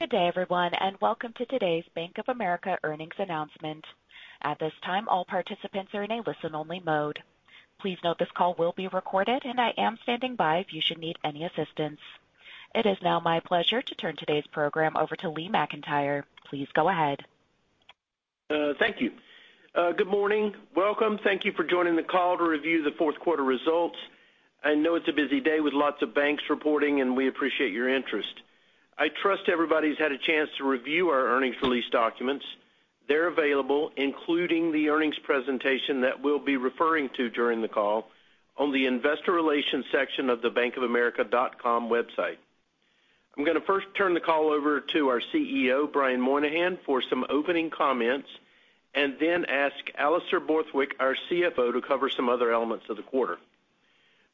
Good day, everyone. Welcome to today's Bank of America Earnings Announcement. At this time, all participants are in a listen-only mode. Please note this call will be recorded, and I am standing by if you should need any assistance. It is now my pleasure to turn today's program over to Lee McEntire. Please go ahead. Thank you. Good morning. Welcome. Thank you for joining the call to review the Q4 results. I know it's a busy day with lots of banks reporting, and we appreciate your interest. I trust everybody's had a chance to review our earnings release documents. They're available, including the earnings presentation that we'll be referring to during the call on the investor relations section of the bankofamerica.com website. I'm gonna first turn the call over to our CEO, Brian Moynihan, for some opening comments, and then ask Alastair Borthwick, our CFO, to cover some other elements of the quarter.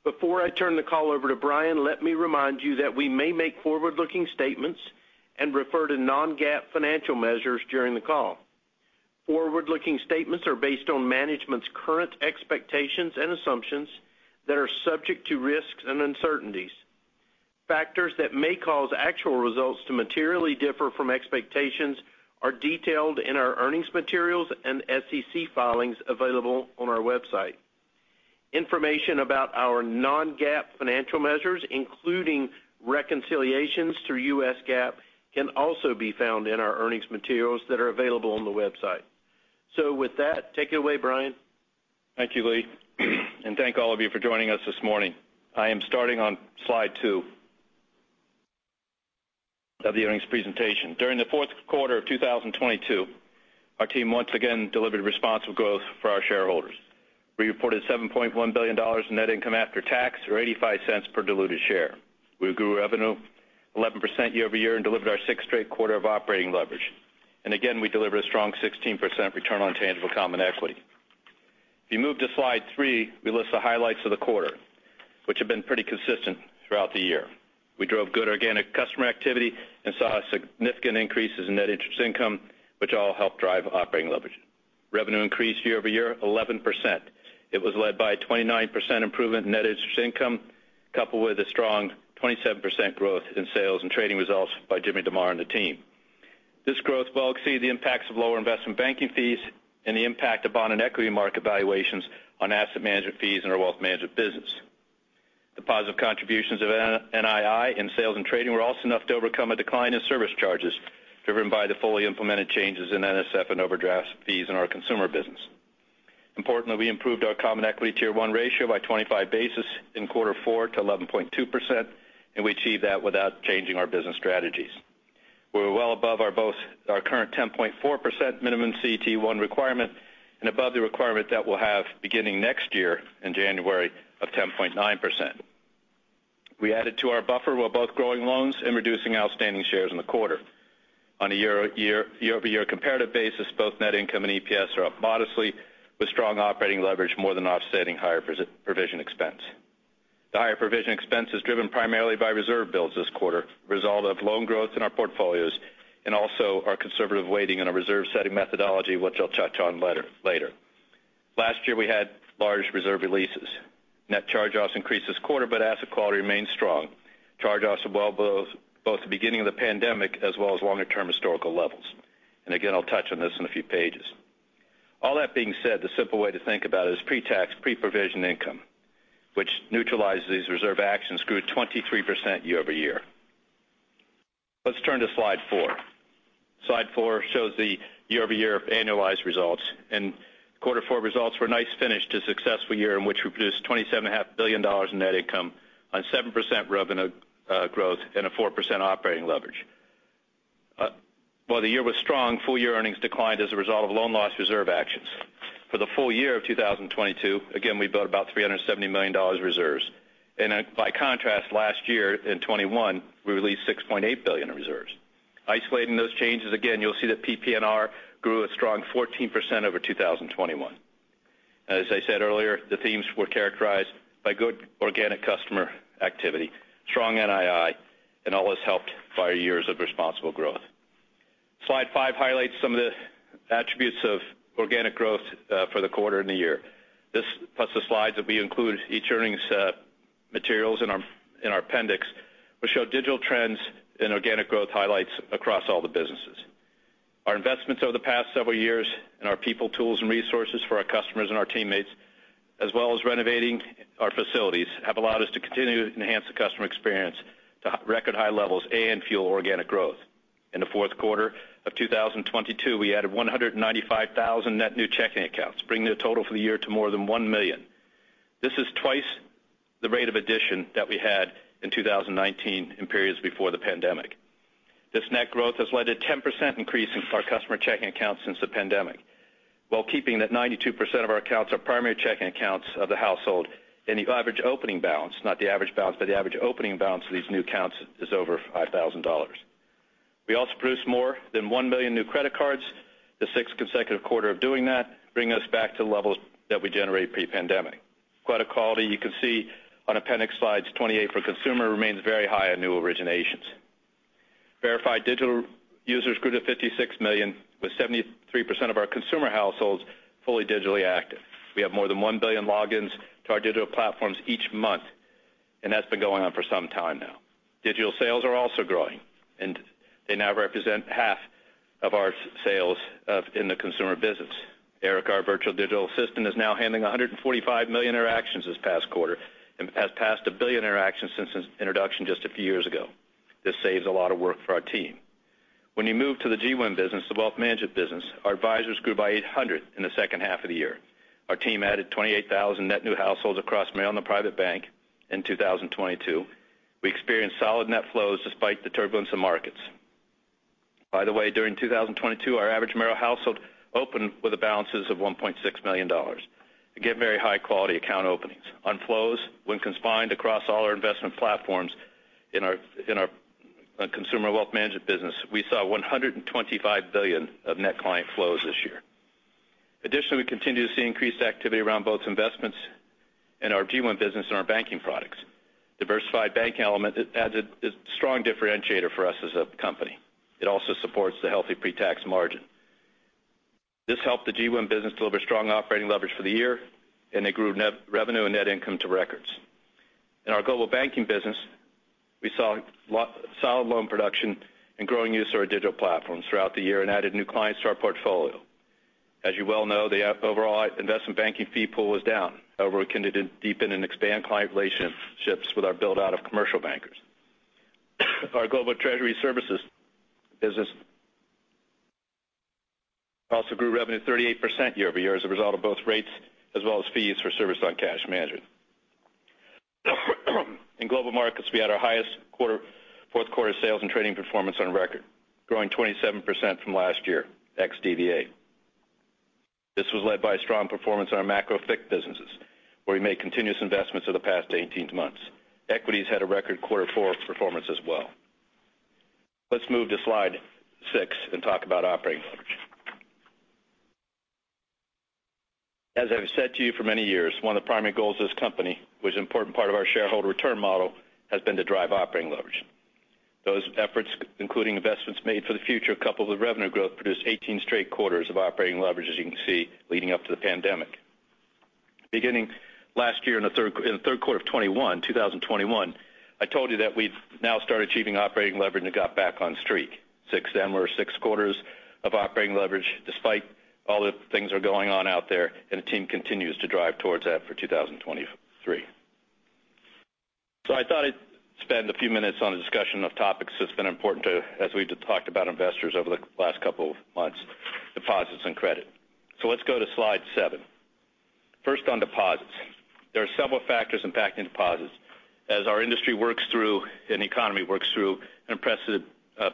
Before I turn the call over to Brian, let me remind you that we may make forward-looking statements and refer to non-GAAP financial measures during the call. Forward-looking statements are based on management's current expectations and assumptions that are subject to risks and uncertainties. Factors that may cause actual results to materially differ from expectations are detailed in our earnings materials and SEC filings available on our website. Information about our non-GAAP financial measures, including reconciliations through U.S. GAAP, can also be found in our earnings materials that are available on the website. With that, take it away, Brian. Thank you, Lee. Thank all of you for joining us this morning. I am starting on slide 2 of the earnings presentation. During the Q4 of 2022, our team once again delivered responsible growth for our shareholders. We reported $7.1 billion in net income after tax or $0.85 per diluted share. We grew revenue 11% year-over-year and delivered our 6th straight quarter of operating leverage. Again, we delivered a strong 16% return on tangible common equity. If you move to slide 3, we list the highlights of the quarter, which have been pretty consistent throughout the year. We drove good organic customer activity and saw significant increases in Net Interest Income, which all helped drive operating leverage. Revenue increased year-over-year 11%. It was led by a 29% improvement in net interest income, coupled with a strong 27% growth in sales and trading results by Jim DeMare and the team. This growth will exceed the impacts of lower investment banking fees and the impact of bond and equity market valuations on asset management fees in our wealth management business. The positive contributions of NII in sales and trading were also enough to overcome a decline in service charges, driven by the fully implemented changes in NSF and overdraft fees in our consumer business. Importantly, we improved our Common Equity Tier 1 ratio by 25 basis points in Q4 to 11.2%, and we achieved that without changing our business strategies. We're well above our both our current 10.4% minimum CET1 requirement and above the requirement that we'll have beginning next year in January of 10.9%. We added to our buffer. We're both growing loans and reducing outstanding shares in the quarter. On a year-over-year comparative basis, both net income and EPS are up modestly, with strong operating leverage more than offsetting higher provision expense. The higher provision expense is driven primarily by reserve builds this quarter, result of loan growth in our portfolios, also our conservative weighting in our reserve setting methodology, which I'll touch on later. Last year, we had large reserve releases. Net charge-offs increased this quarter, but asset quality remains strong. Charge-offs are well above both the beginning of the pandemic as well as longer-term historical levels. Again, I'll touch on this in a few pages. All that being said, the simple way to think about it is pre-tax pre-provision income, which neutralizes reserve actions grew 23% year-over-year. Let's turn to slide 4. Slide 4 shows the year-over-year annualized results, Q4 results were a nice finish to a successful year in which we produced $27.5 billion in net income on 7% revenue growth and a 4% operating leverage. While the year was strong, full year earnings declined as a result of loan loss reserve actions. For the full year of 2022, again, we built about $370 million reserves. By contrast, last year in 2021, we released $6.8 billion in reserves. Isolating those changes again, you'll see that PPNR grew a strong 14% over 2021. As I said earlier, the themes were characterized by good organic customer activity, strong NII, and all this helped by years of responsible growth. Slide 5 highlights some of the attributes of organic growth for the quarter and the year. This, plus the slides that we include each earnings materials in our appendix will show digital trends in organic growth highlights across all the businesses. Our investments over the past several years and our people, tools, and resources for our customers and our teammates, as well as renovating our facilities, have allowed us to continue to enhance the customer experience to record high levels and fuel organic growth. In the Q4 of 2022, we added 195,000 net new checking accounts, bringing the total for the year to more than 1 million. This is twice the rate of addition that we had in 2019 in periods before the pandemic. This net growth has led to 10% increase in our customer checking accounts since the pandemic, while keeping that 92% of our accounts are primary checking accounts of the household. The average opening balance, not the average balance, but the average opening balance of these new accounts is over $5,000. We also produced more than 1 million new credit cards, the sixth consecutive quarter of doing that, bringing us back to levels that we generate pre-pandemic. Credit quality, you can see on appendix slides 28 for consumer, remains very high in new originations. Verified digital users grew to 56 million, with 73% of our consumer households fully digitally active. We have more than 1 billion logins to our digital platforms each month. That's been going on for some time now. Digital sales are also growing. They now represent half of our sales in the consumer business. Erica, our virtual digital assistant, is now handling 145 million interactions this past quarter. Has passed 1 billion interactions since his introduction just a few years ago. This saves a lot of work for our team. When you move to the GWIM business, the wealth management business, our advisors grew by 800 in the second half of the year. Our team added 28,000 net new households across Merrill and the private bank in 2022. We experienced solid net flows despite the turbulence in markets. By the way, during 2022, our average Merrill household opened with the balances of $1.6 million. We get very high quality account openings. On flows, when combined across all our investment platforms in our consumer wealth management business, we saw $125 billion of net client flows this year. Additionally, we continue to see increased activity around both investments in our GWIM business and our banking products. Diversified banking element adds a strong differentiator for us as a company. It also supports the healthy pre-tax margin. This helped the GWIM business deliver strong operating leverage for the year, and they grew net revenue and net income to records. In our global banking business, we saw solid loan production and growing use of our digital platforms throughout the year and added new clients to our portfolio. As you well know, the overall investment banking fee pool was down. However, we continued to deepen and expand client relationships with our build-out of commercial bankers. Our Global Treasury Services business also grew revenue 38% year-over-year as a result of both rates as well as fees for service on cash management. In global markets, we had our highest Q4 sales and trading performance on record, growing 27% from last year, ex DVA. This was led by strong performance in our macro FICC businesses, where we made continuous investments over the past 18 months. Equities had a recordQ4 performance as well. Let's move to slide 6 and talk about operating leverage. As I've said to you for many years, one of the primary goals of this company, which is an important part of our shareholder return model, has been to drive operating leverage. Those efforts, including investments made for the future coupled with revenue growth, produced 18 straight quarters of operating leverage, as you can see, leading up to the pandemic. Beginning last year in the Q3 of 2021, I told you that we've now started achieving operating leverage and got back on streak. We're 6 quarters of operating leverage despite all the things are going on out there, and the team continues to drive towards that for 2023. I thought I'd spend a few minutes on a discussion of topics that's been important to, as we've talked about investors over the last couple of months, deposits and credit. Let's go to slide 7. First on deposits. There are several factors impacting deposits. As our industry works through, and the economy works through an unprecedented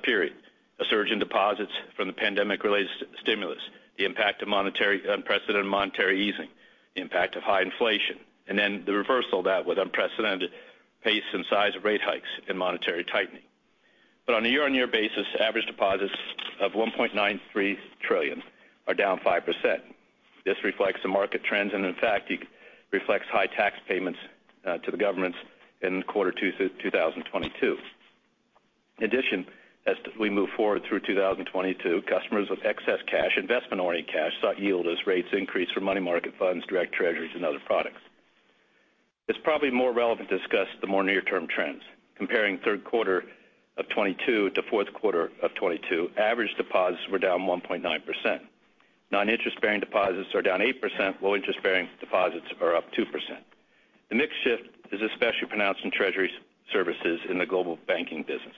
period, a surge in deposits from the pandemic-related stimulus, the impact of unprecedented monetary easing, the impact of high inflation, and then the reversal of that with unprecedented pace and size of rate hikes and monetary tightening. On a year-on-year basis, average deposits of $1.93 trillion are down 5%. This reflects the market trends, and in fact, it reflects high tax payments to the governments in Q2 2022. In addition, as we move forward through 2022, customers with excess cash, investment-oriented cash, sought yield as rates increased for money market funds, direct treasuries, and other products. It's probably more relevant to discuss the more near-term trends. Comparing Q3 of 2022 to Q4 of 2022, average deposits were down 1.9%. Non-interest-bearing deposits are down 8%. Low interest-bearing deposits are up 2%. The mix shift is especially pronounced in Treasury Services in the Global Banking business.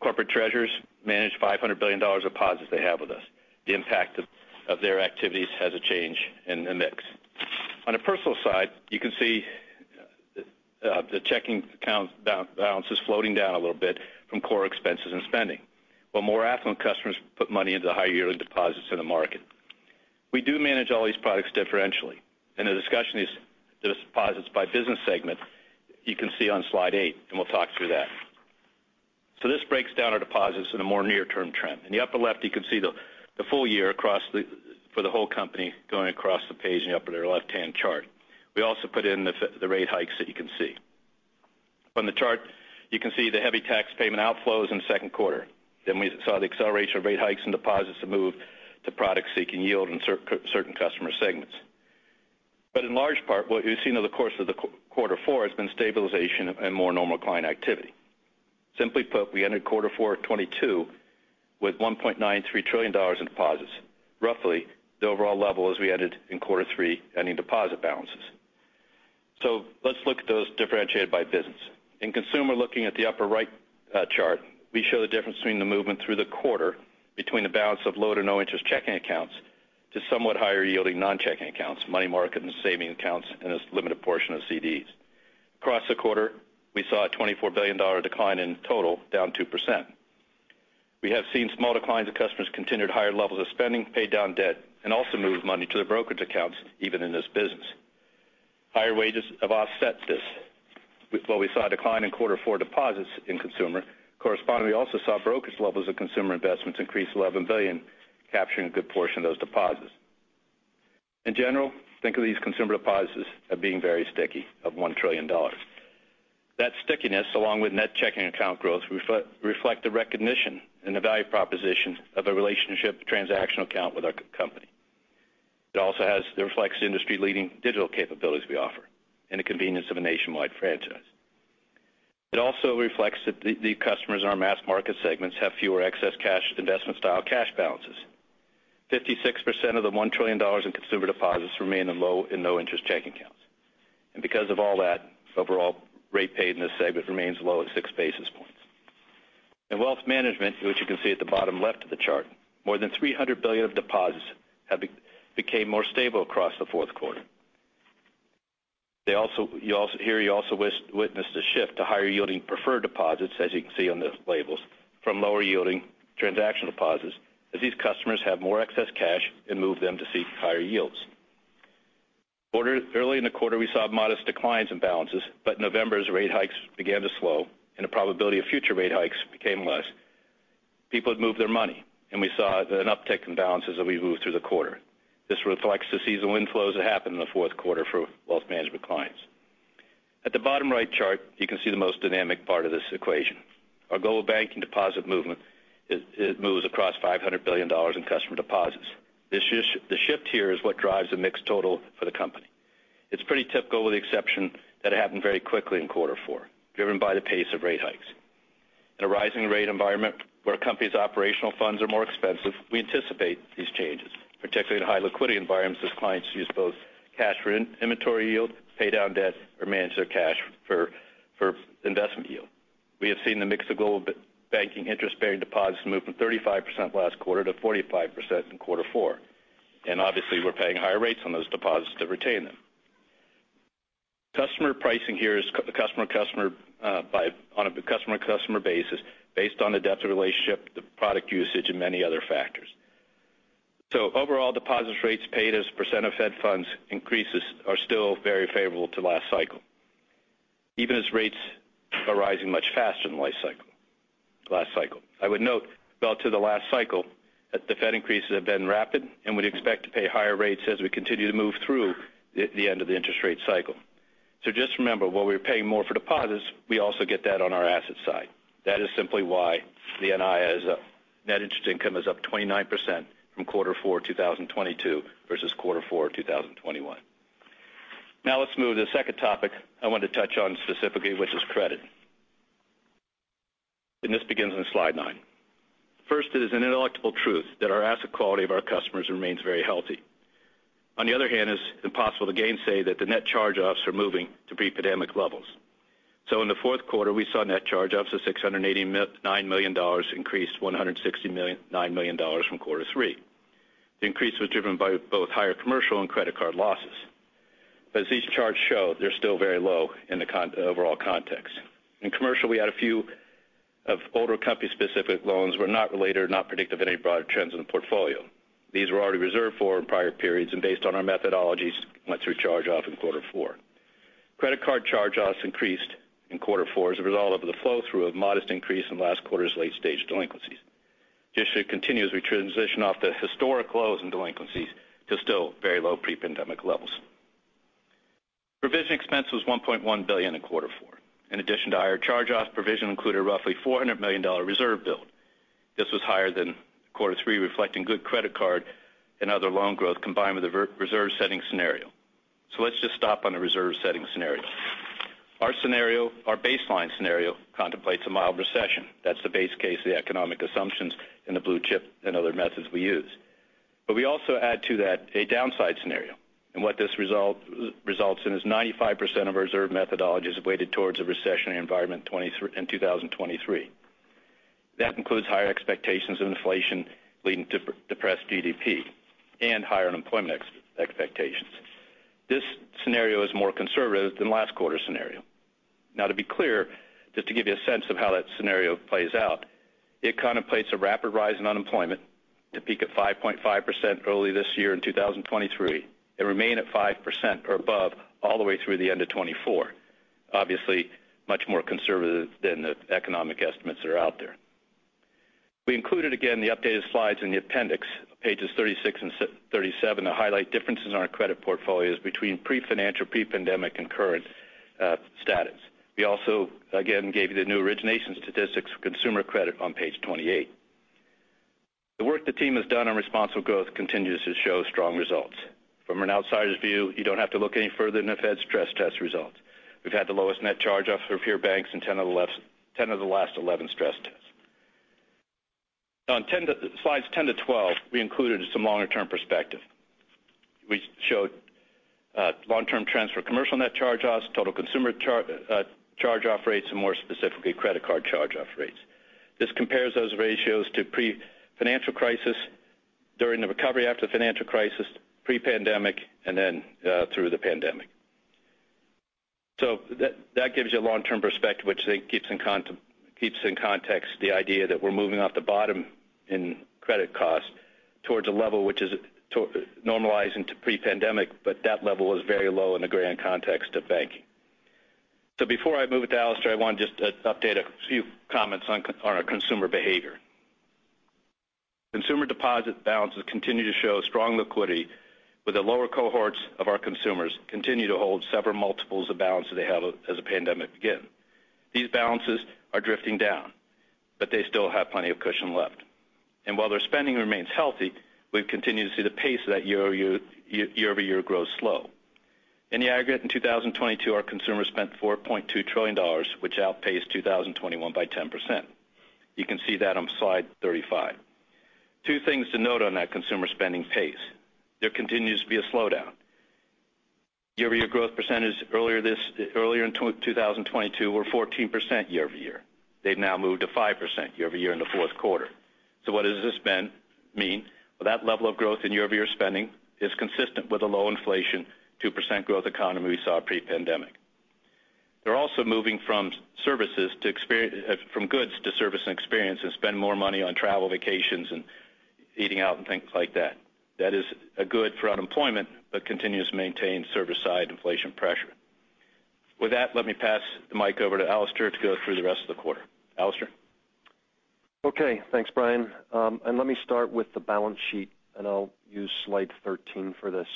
Corporate treasurers manage $500 billion of deposits they have with us. The impact of their activities has a change in the mix. On a personal side, you can see the checking accounts balance is floating down a little bit from core expenses and spending, while more affluent customers put money into the higher yielding deposits in the market. We do manage all these products differentially, and the discussion is the deposits by business segment you can see on slide 8, and we'll talk through that. This breaks down our deposits in a more near-term trend. In the upper left, you can see the full year across for the whole company going across the page in the upper left-hand chart. We also put in the rate hikes that you can see. On the chart, you can see the heavy tax payment outflows in the Q2. We saw the acceleration of rate hikes and deposits that moved to products seeking yield in certain customer segments. In large part, what you've seen over the course of theQ4 has been stabilization and more normal client activity. Simply put, we endedQ4 of 2022 with $1.93 trillion in deposits, roughly the overall level as we ended inQ3, ending deposit balances. Let's look at those differentiated by business. In consumer, looking at the upper right chart, we show the difference between the movement through the quarter between the balance of low to no interest checking accounts to somewhat higher yielding non-checking accounts, money market and savings accounts, and a limited portion of CDs. Across the quarter, we saw a $24 billion decline in total, down 2%. We have seen small declines of customers' continued higher levels of spending, pay down debt, and also move money to their brokerage accounts, even in this business. Higher wages have offset this. While we saw a decline inQ4 deposits in consumer, corresponding, we also saw brokerage levels of consumer investments increase $11 billion, capturing a good portion of those deposits. In general, think of these consumer deposits as being very sticky of $1 trillion. That stickiness, along with net checking account growth, reflect the recognition and the value proposition of a relationship transactional account with our company. It also reflects industry-leading digital capabilities we offer and the convenience of a nationwide franchise. It also reflects that the customers in our mass market segments have fewer excess cash investment-style cash balances. 56% of the $1 trillion in consumer deposits remain in low and no interest checking accounts. Because of all that, overall rate paid in this segment remains low at 6 basis points. In wealth management, which you can see at the bottom left of the chart, more than $300 billion of deposits became more stable across the Q4. Here, you also witnessed a shift to higher-yielding preferred deposits, as you can see on the labels, from lower-yielding transactional deposits, as these customers have more excess cash and move them to seek higher yields. Early in the quarter, we saw modest declines in balances. In November, as rate hikes began to slow and the probability of future rate hikes became less, people had moved their money, and we saw an uptick in balances as we moved through the quarter. This reflects the seasonal inflows that happened in the Q4 for wealth management clients. At the bottom right chart, you can see the most dynamic part of this equation. Our global banking deposit movement is moves across $500 billion in customer deposits. The shift here is what drives the mixed total for the company. It's pretty typical with the exception that it happened very quickly in Q4, driven by the pace of rate hikes. In a rising rate environment where a company's operational funds are more expensive, we anticipate these changes, particularly in high liquidity environments, as clients use both cash for in-inventory yield, pay down debt, or manage their cash for investment yield. We have seen the mix of global banking interest-bearing deposits move from 35% last quarter to 45% in Q4. Obviously, we're paying higher rates on those deposits to retain them. Customer pricing here is on a customer-customer basis based on the depth of relationship, the product usage, and many other factors. Overall deposits rates paid as percent of Fed funds increases are still very favorable to last cycle, even as rates are rising much faster than last cycle. I would note, though, to the last cycle that the Fed increases have been rapid and would expect to pay higher rates as we continue to move through the end of the interest rate cycle. Just remember, while we're paying more for deposits, we also get that on our asset side. That is simply why the NII is up. Net interest income is up 29% from Q4, 2022 versus Q4, 2021. Let's move to the second topic I want to touch on specifically, which is credit. This begins on slide 9. First, it is an ineluctable truth that our asset quality of our customers remains very healthy. On the other hand, it's impossible to again say that the net charge-offs are moving to pre-pandemic levels. In the Q4, we saw net charge-offs of $689 million increase $169 million from Q3. The increase was driven by both higher commercial and credit card losses. As these charts show, they're still very low in the overall context. In commercial, we had a few of older company-specific loans were not related or not predictive of any broader trends in the portfolio. These were already reserved for in prior periods, and based on our methodologies, went through charge-off in Q4. Credit card charge-offs increased in Q4 as a result of the flow-through of modest increase in last quarter's late-stage delinquencies. This should continue as we transition off the historic lows in delinquencies to still very low pre-pandemic levels. Provision expense was $1.1 billion in Q4. In addition to higher charge-offs, provision included roughly $400 million reserve build. This was higher than Q3, reflecting good credit card and other loan growth combined with the reserve setting scenario. Let's just stop on the reserve setting scenario. Our scenario, our baseline scenario contemplates a mild recession. That's the base case, the economic assumptions in the Blue Chip and other methods we use. We also add to that a downside scenario, and what this result results in is 95% of our reserve methodologies weighted towards a recessionary environment in 2023. That includes higher expectations of inflation leading to depressed GDP and higher unemployment expectations. This scenario is more conservative than last quarter's scenario. To be clear, just to give you a sense of how that scenario plays out, it contemplates a rapid rise in unemployment to peak at 5.5% early this year in 2023 and remain at 5% or above all the way through the end of 2024. Obviously, much more conservative than the economic estimates that are out there. We included again the updated slides in the appendix, pages 36 and 37, to highlight differences in our credit portfolios between pre-financial, pre-pandemic, and current status. We also again gave you the new origination statistics for consumer credit on page 28. The work the team has done on responsible growth continues to show strong results. From an outsider's view, you don't have to look any further than the Fed's stress test results. We've had the lowest net charge-offs for peer banks in 10 of the last 11 stress tests. On slides 10 to 12, we included some longer-term perspective. We showed long-term trends for commercial net charge-offs, total consumer charge-off rates, and more specifically, credit card charge-off rates. This compares those ratios to pre-financial crisis during the recovery after the financial crisis, pre-pandemic, and then through the pandemic. That gives you a long-term perspective which I think keeps in context the idea that we're moving off the bottom in credit costs towards a level which is normalizing to pre-pandemic, but that level is very low in the grand context of banking. Before I move to Alastair, I want just to update a few comments on our consumer behavior. Consumer deposit balances continue to show strong liquidity with the lower cohorts of our consumers continue to hold several multiples of balance that they have as the pandemic began. They still have plenty of cushion left. While their spending remains healthy, we've continued to see the pace of that year-over-year grow slow. In the aggregate in 2022, our consumers spent $4.2 trillion, which outpaced 2021 by 10%. You can see that on slide 35. Two things to note on that consumer spending pace. There continues to be a slowdown. Year-over-year growth percentage earlier in 2022 were 14% year-over-year. They've now moved to 5% year-over-year in the Q4. What does this mean? Well, that level of growth in year-over-year spending is consistent with a low inflation, 2% growth economy we saw pre-pandemic. They're also moving from goods to service and experience and spend more money on travel, vacations, and eating out, and things like that. That is good for unemployment, but continues to maintain service-side inflation pressure. With that, let me pass the mic over to Alastair to go through the rest of the quarter. Alastair? Okay, thanks, Brian. Let me start with the balance sheet, and I'll use slide 13 for this.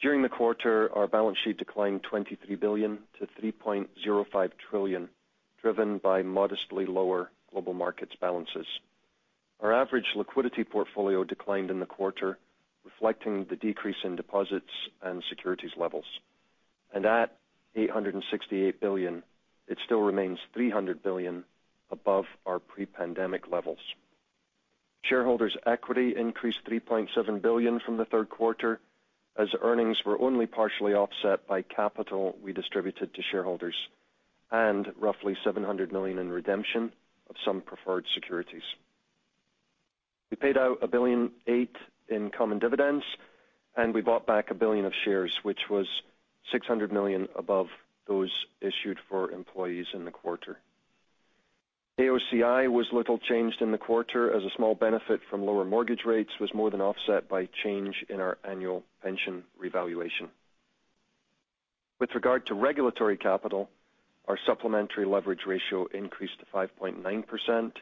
During the quarter, our balance sheet declined $23 billion-$3.05 trillion, driven by modestly lower Global Markets balances. Our average liquidity portfolio declined in the quarter, reflecting the decrease in deposits and securities levels. At $868 billion, it still remains $300 billion above our pre-pandemic levels. Shareholders equity increased $3.7 billion from the 3rd quarter, as earnings were only partially offset by capital we distributed to shareholders, and roughly $700 million in redemption of some preferred securities. We paid out $1,000,000,008 in common dividends, and we bought back $1 billion of shares, which was $600 million above those issued for employees in the quarter. AOCI was little changed in the quarter as a small benefit from lower mortgage rates was more than offset by change in our annual pension revaluation. With regard to regulatory capital, our supplementary leverage ratio increased to 5.9%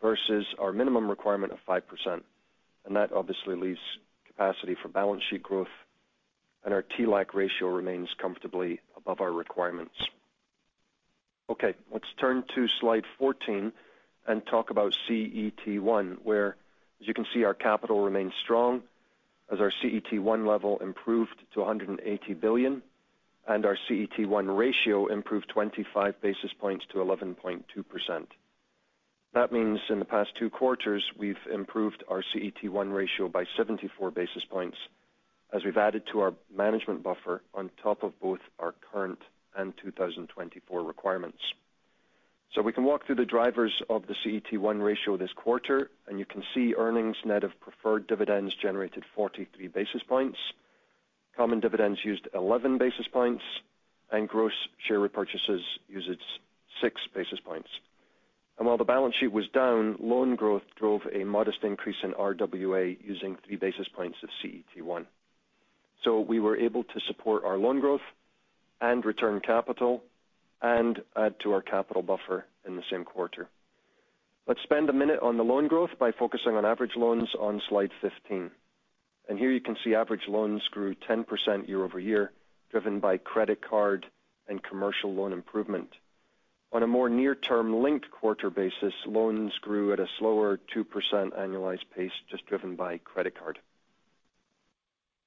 versus our minimum requirement of 5%. That obviously leaves capacity for balance sheet growth, our TLAC ratio remains comfortably above our requirements. Let's turn to slide 14 and talk about CET1, where as you can see, our capital remains strong as our CET1 level improved to $180 billion, and our CET1 ratio improved 25 basis points to 11.2%. That means in the past two quarters, we've improved our CET1 ratio by 74 basis points as we've added to our management buffer on top of both our current and 2024 requirements. We can walk through the drivers of the CET1 ratio this quarter, and you can see earnings net of preferred dividends generated 43 basis points. Common dividends used 11 basis points, and gross share repurchases uses 6 basis points. While the balance sheet was down, loan growth drove a modest increase in RWA using 3 basis points of CET1. We were able to support our loan growth and return capital and add to our capital buffer in the same quarter. Let's spend a minute on the loan growth by focusing on average loans on slide 15. Here you can see average loans grew 10% year-over-year, driven by credit card and commercial loan improvement. On a more near-term linked-quarter basis, loans grew at a slower 2% annualized pace, just driven by credit card.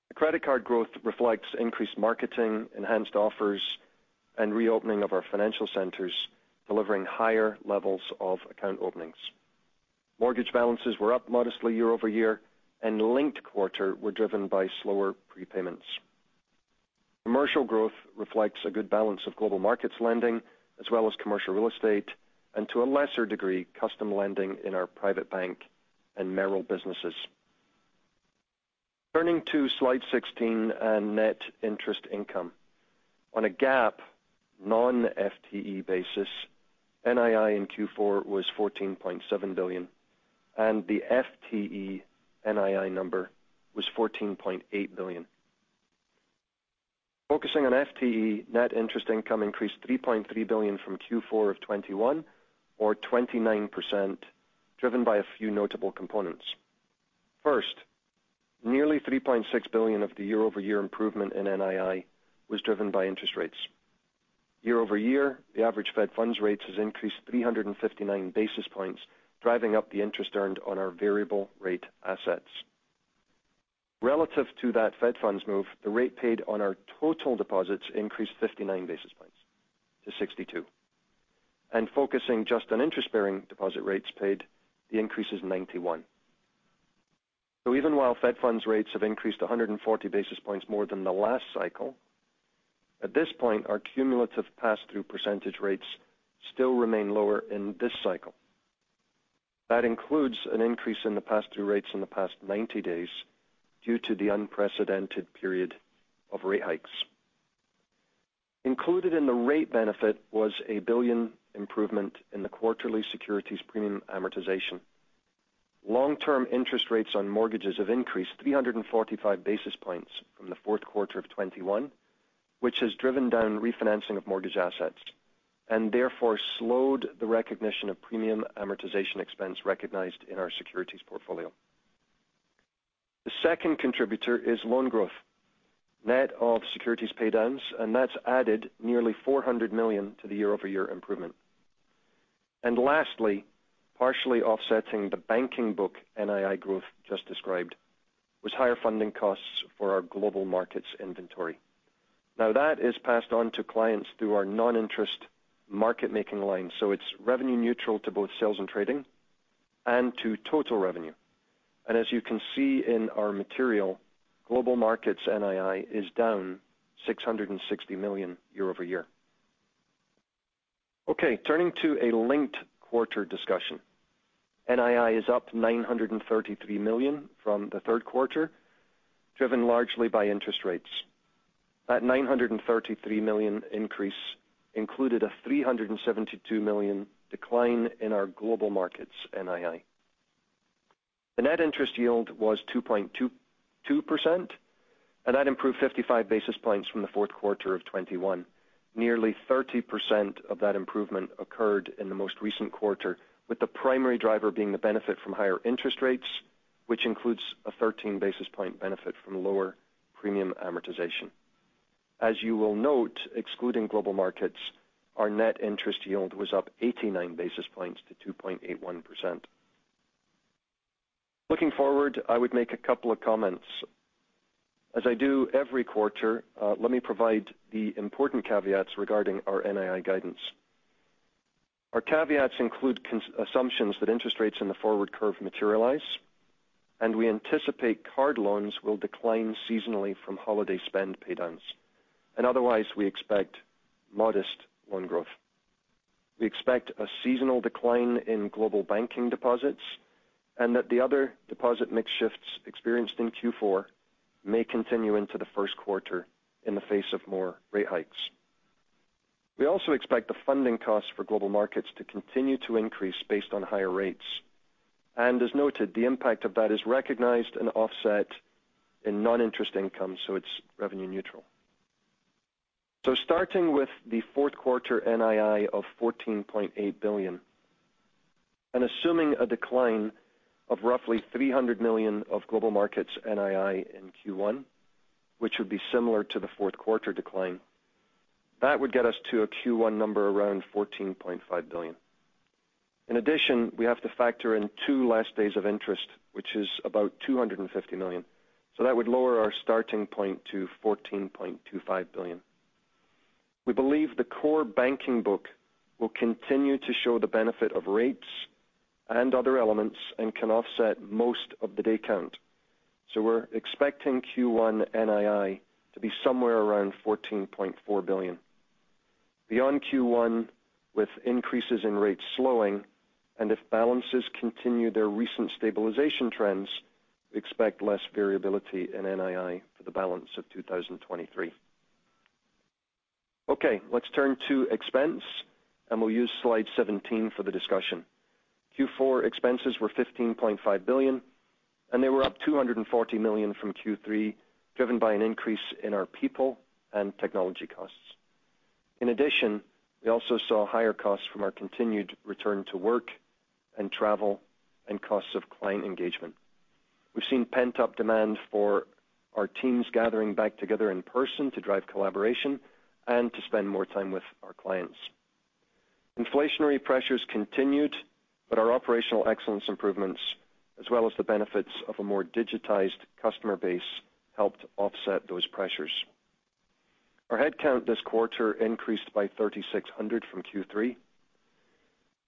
The credit card growth reflects increased marketing, enhanced offers, and reopening of our financial centers, delivering higher levels of account openings. Mortgage balances were up modestly year-over-year, and linked quarter were driven by slower prepayments. Commercial growth reflects a good balance of global markets lending as well as commercial real estate, and to a lesser degree, custom lending in our private bank and Merrill businesses. Turning to slide 16 and Net Interest Income. On a GAAP, non-FTE basis, NII in Q4 was $14.7 billion, and the FTE NII number was $14.8 billion. Focusing on FTE, Net Interest Income increased $3.3 billion from Q4 of 2021 or 29%, driven by a few notable components. First, nearly $3.6 billion of the year-over-year improvement in NII was driven by interest rates. Year-over-year, the average Fed funds rates has increased 359 basis points, driving up the interest earned on our variable rate assets. Relative to that Fed funds move, the rate paid on our total deposits increased 59 basis points to 62. Focusing just on interest-bearing deposit rates paid, the increase is 91. Even while Fed funds rates have increased 140 basis points more than the last cycle, at this point, our cumulative pass-through percentage rates still remain lower in this cycle. That includes an increase in the pass-through rates in the past 90 days due to the unprecedented period of rate hikes. Included in the rate benefit was a $1 billion improvement in the quarterly securities premium amortization. Long-term interest rates on mortgages have increased 345 basis points from the Q4 of 2021, which has driven down refinancing of mortgage assets, and therefore slowed the recognition of premium amortization expense recognized in our securities portfolio. The second contributor is loan growth, net of securities paydowns, and that's added nearly $400 million to the year-over-year improvement. Lastly, partially offsetting the banking book NII growth just described was higher funding costs for our Global Markets inventory. Now that is passed on to clients through our non-interest market-making line. It's revenue neutral to both sales and trading and to total revenue. As you can see in our material, Global Markets NII is down $660 million year-over-year. Okay, turning to a linked quarter discussion. NII is up $933 million from the Q3, driven largely by interest rates. That $933 million increase included a $372 million decline in our Global Markets NII. The net interest yield was 2.22%. That improved 55 basis points from the Q4 of 2021. Nearly 30% of that improvement occurred in the most recent quarter, with the primary driver being the benefit from higher interest rates, which includes a 13 basis point benefit from lower premium amortization. As you will note, excluding Global Markets, our net interest yield was up 89 basis points to 2.81%. Looking forward, I would make a couple of comments. As I do every quarter, let me provide the important caveats regarding our NII guidance. Our caveats include assumptions that interest rates in the forward curve materialize, and we anticipate card loans will decline seasonally from holiday spend paydowns. Otherwise, we expect modest loan growth. We expect a seasonal decline in global banking deposits, and that the other deposit mix shifts experienced in Q4 may continue into the Q1 in the face of more rate hikes. We also expect the funding costs for global markets to continue to increase based on higher rates. As noted, the impact of that is recognized and offset in non-interest income, so it's revenue neutral. Starting with the Q4 NII of $14.8 billion, and assuming a decline of roughly $300 million of global markets NII in Q1, which would be similar to the Q4 decline, that would get us to a Q1 number around $14.5 billion. We have to factor in two last days of interest, which is about $250 million. That would lower our starting point to $14.25 billion. We believe the core banking book will continue to show the benefit of rates and other elements and can offset most of the day count. We're expecting Q1 NII to be somewhere around $14.4 billion. Beyond Q1, with increases in rates slowing, and if balances continue their recent stabilization trends, we expect less variability in NII for the balance of 2023. Let's turn to expense, and we'll use slide 17 for the discussion. Q4 expenses were $15.5 billion, they were up $240 million from Q3, driven by an increase in our people and technology costs. In addition, we also saw higher costs from our continued return to work and travel and costs of client engagement. We've seen pent-up demand for our teams gathering back together in person to drive collaboration and to spend more time with our clients. Inflationary pressures continued, but our operational excellence improvements, as well as the benefits of a more digitized customer base, helped offset those pressures. Our head count this quarter increased by 3,600 from Q3.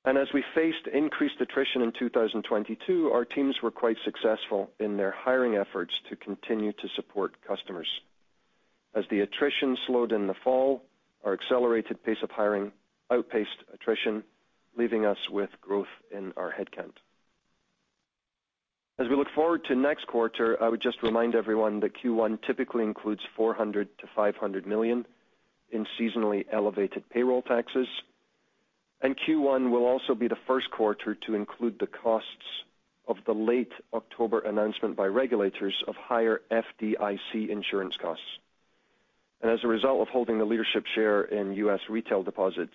As we faced increased attrition in 2022, our teams were quite successful in their hiring efforts to continue to support customers. As the attrition slowed in the fall, our accelerated pace of hiring outpaced attrition, leaving us with growth in our headcount. As we look forward to next quarter, I would just remind everyone that Q1 typically includes $400 million-$500 million in seasonally elevated payroll taxes. Q1 will also be the Q1 to include the costs of the late October announcement by regulators of higher FDIC insurance costs. As a result of holding the leadership share in U.S. retail deposits,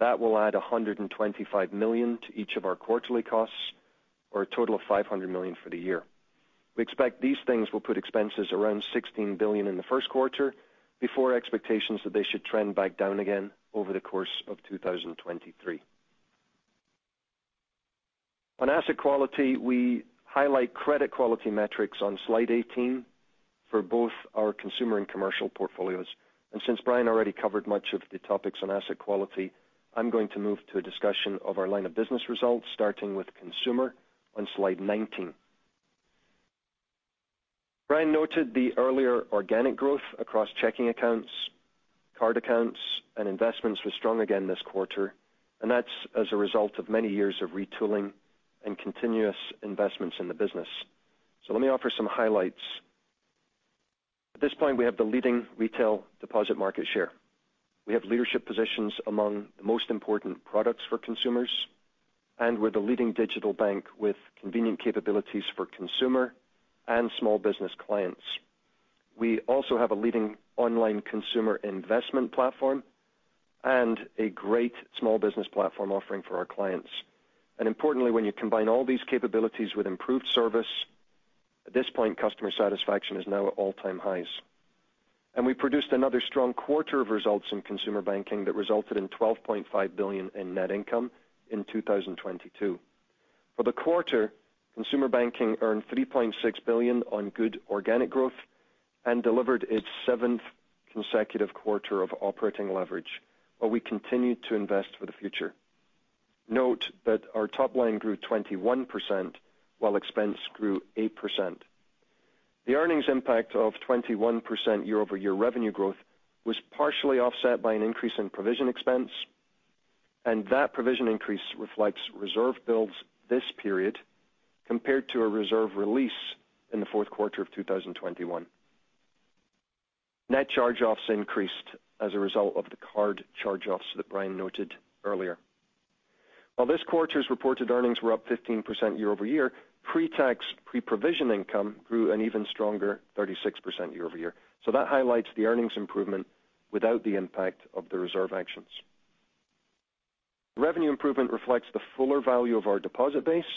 that will add $125 million to each of our quarterly costs or a total of $500 million for the year. We expect these things will put expenses around $16 billion in the Q1 before expectations that they should trend back down again over the course of 2023. On asset quality, we highlight credit quality metrics on slide 18 for both our consumer and commercial portfolios. Since Brian already covered much of the topics on asset quality, I'm going to move to a discussion of our line of business results, starting with consumer on slide 19. Brian noted the earlier organic growth across checking accounts, card accounts, and investments was strong again this quarter. That's as a result of many years of retooling and continuous investments in the business. Let me offer some highlights. At this point, we have the leading retail deposit market share. We have leadership positions among the most important products for consumers. We're the leading digital bank with convenient capabilities for consumer and small business clients. We also have a leading online consumer investment platform and a great small business platform offering for our clients. Importantly, when you combine all these capabilities with improved service, at this point, customer satisfaction is now at all-time highs. We produced another strong quarter of results in consumer banking that resulted in $12.5 billion in net income in 2022. For the quarter, consumer banking earned $3.6 billion on good organic growth and delivered its seventh consecutive quarter of operating leverage, while we continued to invest for the future. Note that our top line grew 21% while expense grew 8%. The earnings impact of 21% year-over-year revenue growth was partially offset by an increase in provision expense, That provision increase reflects reserve builds this period compared to a reserve release in the Q4 of 2021. Net charge-offs increased as a result of the card charge-offs that Brian noted earlier. While this quarter's reported earnings were up 15% year-over-year, pre-tax pre-provision income grew an even stronger 36% year-over-year. That highlights the earnings improvement without the impact of the reserve actions. Revenue improvement reflects the fuller value of our deposit base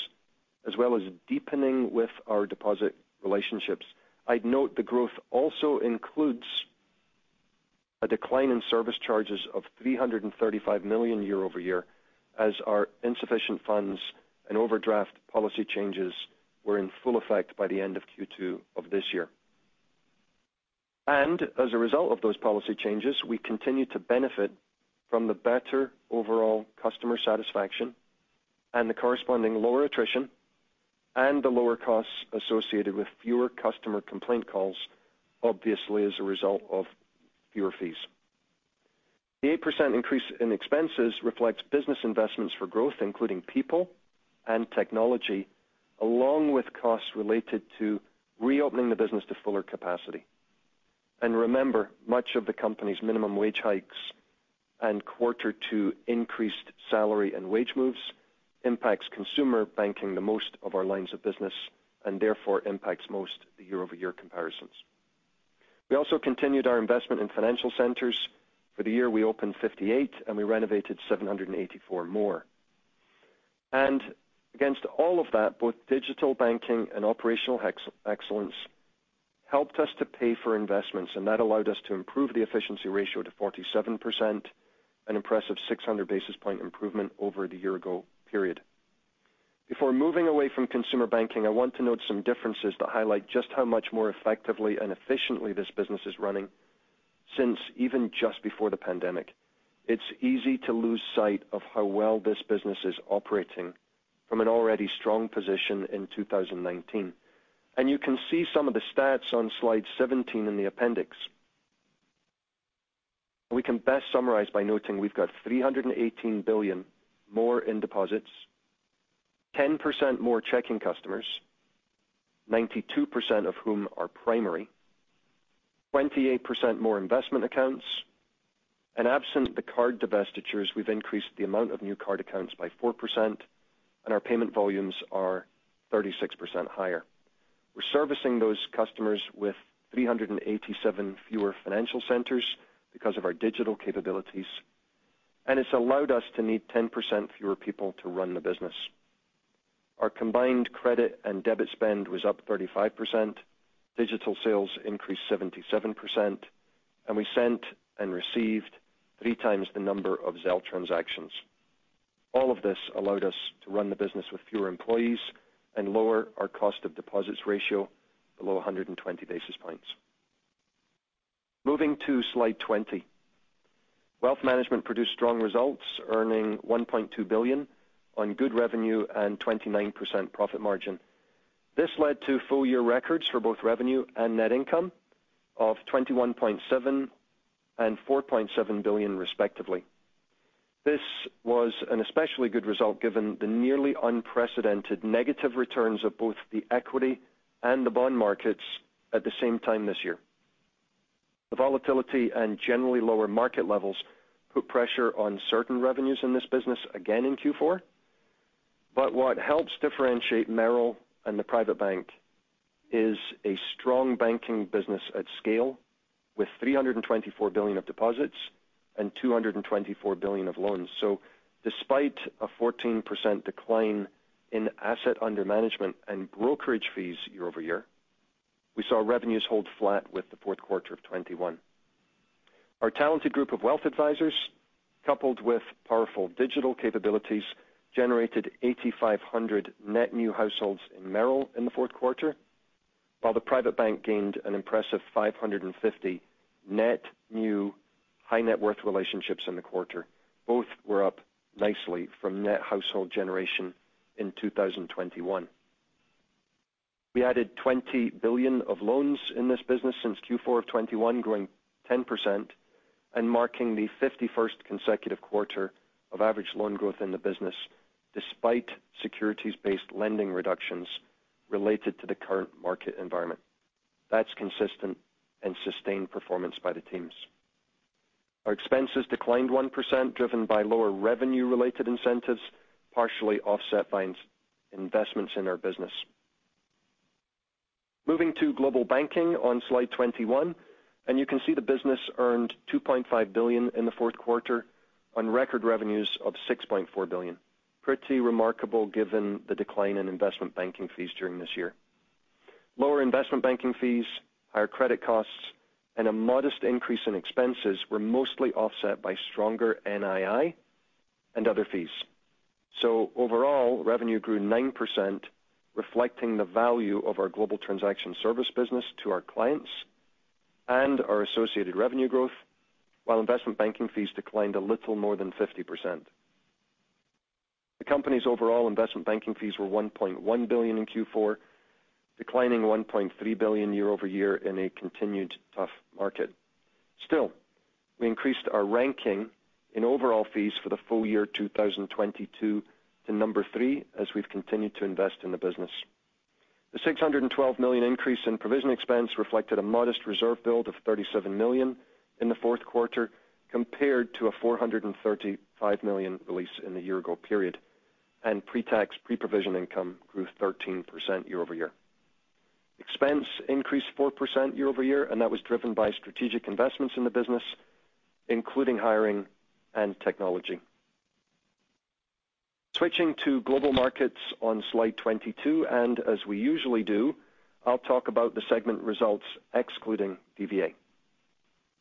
as well as deepening with our deposit relationships. I'd note the growth also includes a decline in service charges of $335 million year-over-year as our insufficient funds and overdraft policy changes were in full effect by the end of Q2 of this year. As a result of those policy changes, we continue to benefit from the better overall customer satisfaction and the corresponding lower attrition and the lower costs associated with fewer customer complaint calls, obviously, as a result of fewer fees. The 8% increase in expenses reflects business investments for growth, including people and technology, along with costs related to reopening the business to fuller capacity. Remember, much of the company's minimum wage hikes and Q2 increased salary and wage moves impacts consumer banking the most of our lines of business, and therefore impacts most the year-over-year comparisons. We also continued our investment in financial centers. For the year, we opened 58 and we renovated 784 more. Against all of that, both digital banking and operational excellence helped us to pay for investments, and that allowed us to improve the efficiency ratio to 47%, an impressive 600 basis point improvement over the year-ago period. Before moving away from consumer banking, I want to note some differences to highlight just how much more effectively and efficiently this business is running since even just before the pandemic. It's easy to lose sight of how well this business is operating from an already strong position in 2019. You can see some of the stats on slide 17 in the appendix. We can best summarize by noting we've got $318 billion more in deposits, 10% more checking customers, 92% of whom are primary, 28% more investment accounts. Absent the card divestitures, we've increased the amount of new card accounts by 4%, and our payment volumes are 36% higher. We're servicing those customers with 387 fewer financial centers because of our digital capabilities, and it's allowed us to need 10% fewer people to run the business. Our combined credit and debit spend was up 35%. Digital sales increased 77%, and we sent and received 3 times the number of Zelle transactions. All of this allowed us to run the business with fewer employees and lower our cost of deposits ratio below 120 basis points. Moving to slide 20. Wealth management produced strong results, earning $1.2 billion on good revenue and 29% profit margin. This led to full-year records for both revenue and net income of $21.7 billion and $4.7 billion, respectively. This was an especially good result given the nearly unprecedented negative returns of both the equity and the bond markets at the same time this year. The volatility and generally lower market levels put pressure on certain revenues in this business, again in Q4. What helps differentiate Merrill and the private bank is a strong banking business at scale with $324 billion of deposits and $224 billion of loans. Despite a 14% decline in asset under management and brokerage fees year-over-year, we saw revenues hold flat with the Q4 of 2021. Our talented group of wealth advisors, coupled with powerful digital capabilities, generated 8,500 net new households in Merrill in the Q4, while the private bank gained an impressive 550 net new high-net-worth relationships in the quarter. Both were up nicely from net household generation in 2021. We added $20 billion of loans in this business since Q4 of 2021, growing 10%. Marking the 51st consecutive quarter of average loan growth in the business despite securities-based lending reductions related to the current market environment. That's consistent and sustained performance by the teams. Our expenses declined 1%, driven by lower revenue-related incentives, partially offset by investments in our business. Moving to global banking on slide 21, you can see the business earned $2.5 billion in the Q4 on record revenues of $6.4 billion. Pretty remarkable given the decline in investment banking fees during this year. Lower investment banking fees, higher credit costs, and a modest increase in expenses were mostly offset by stronger NII and other fees. Overall, revenue grew 9%, reflecting the value of our global transaction service business to our clients and our associated revenue growth, while investment banking fees declined a little more than 50%. The company's overall investment banking fees were $1.1 billion in Q4, declining $1.3 billion year-over-year in a continued tough market. Still, we increased our ranking in overall fees for the full year 2022 to number three as we've continued to invest in the business. The $612 million increase in provision expense reflected a modest reserve build of $37 million in the Q4 compared to a $435 million release in the year-ago period. Pre-tax, pre-provision income grew 13% year-over-year. That was driven by strategic investments in the business, including hiring and technology. Switching to global markets on slide 22. As we usually do, I'll talk about the segment results excluding DVA.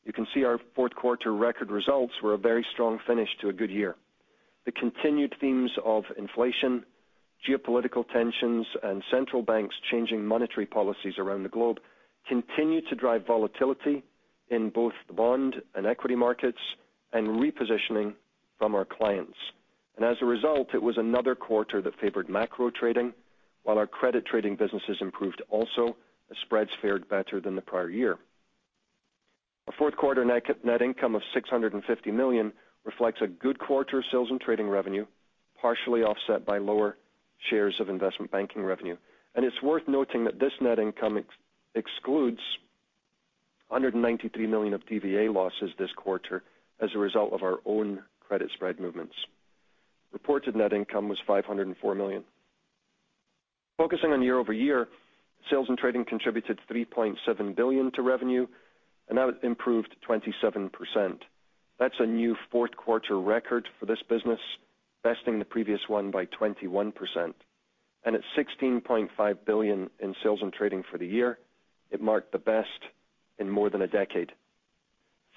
You can see our Q4 record results were a very strong finish to a good year. The continued themes of inflation, geopolitical tensions, and central banks changing monetary policies around the globe continue to drive volatility in both the bond and equity markets and repositioning from our clients. As a result, it was another quarter that favored macro trading, while our credit trading businesses improved also as spreads fared better than the prior year. Our Q4 net income of $650 million reflects a good quarter sales and trading revenue, partially offset by lower shares of investment banking revenue. It's worth noting that this net income excludes $193 million of DVA losses this quarter as a result of our own credit spread movements. Reported net income was $504 million. Focusing on year-over-year, sales and trading contributed $3.7 billion to revenue, and that improved 27%. That's a new Q4 record for this business, besting the previous one by 21%. At $16.5 billion in sales and trading for the year, it marked the best in more than a decade.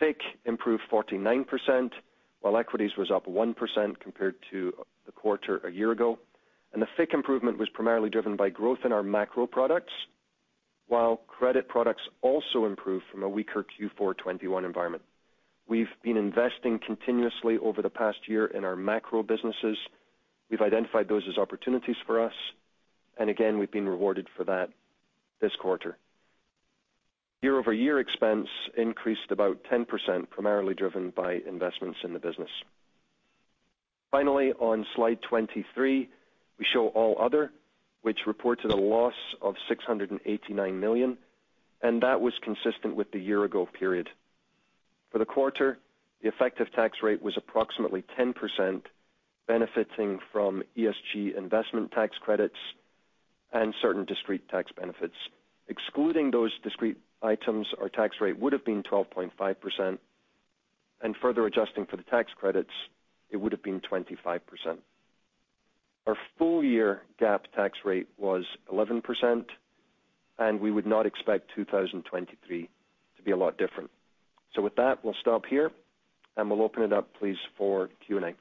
FICC improved 49%, while equities was up 1% compared to the quarter a year ago. The FICC improvement was primarily driven by growth in our macro products, while credit products also improved from a weaker Q4 '21 environment. We've been investing continuously over the past year in our macro businesses. We've identified those as opportunities for us. Again, we've been rewarded for that this quarter. Year-over-year expense increased about 10%, primarily driven by investments in the business. Finally, on slide 23, we show all other, which reported a loss of $689 million, that was consistent with the year-ago period. For the quarter, the effective tax rate was approximately 10%, benefiting from ESG investment tax credits and certain discrete tax benefits. Excluding those discrete items, our tax rate would have been 12.5%, and further adjusting for the tax credits, it would have been 25%. Our full year GAAP tax rate was 11%, and we would not expect 2023 to be a lot different. With that, we'll stop here, and we'll open it up, please, for Q&A.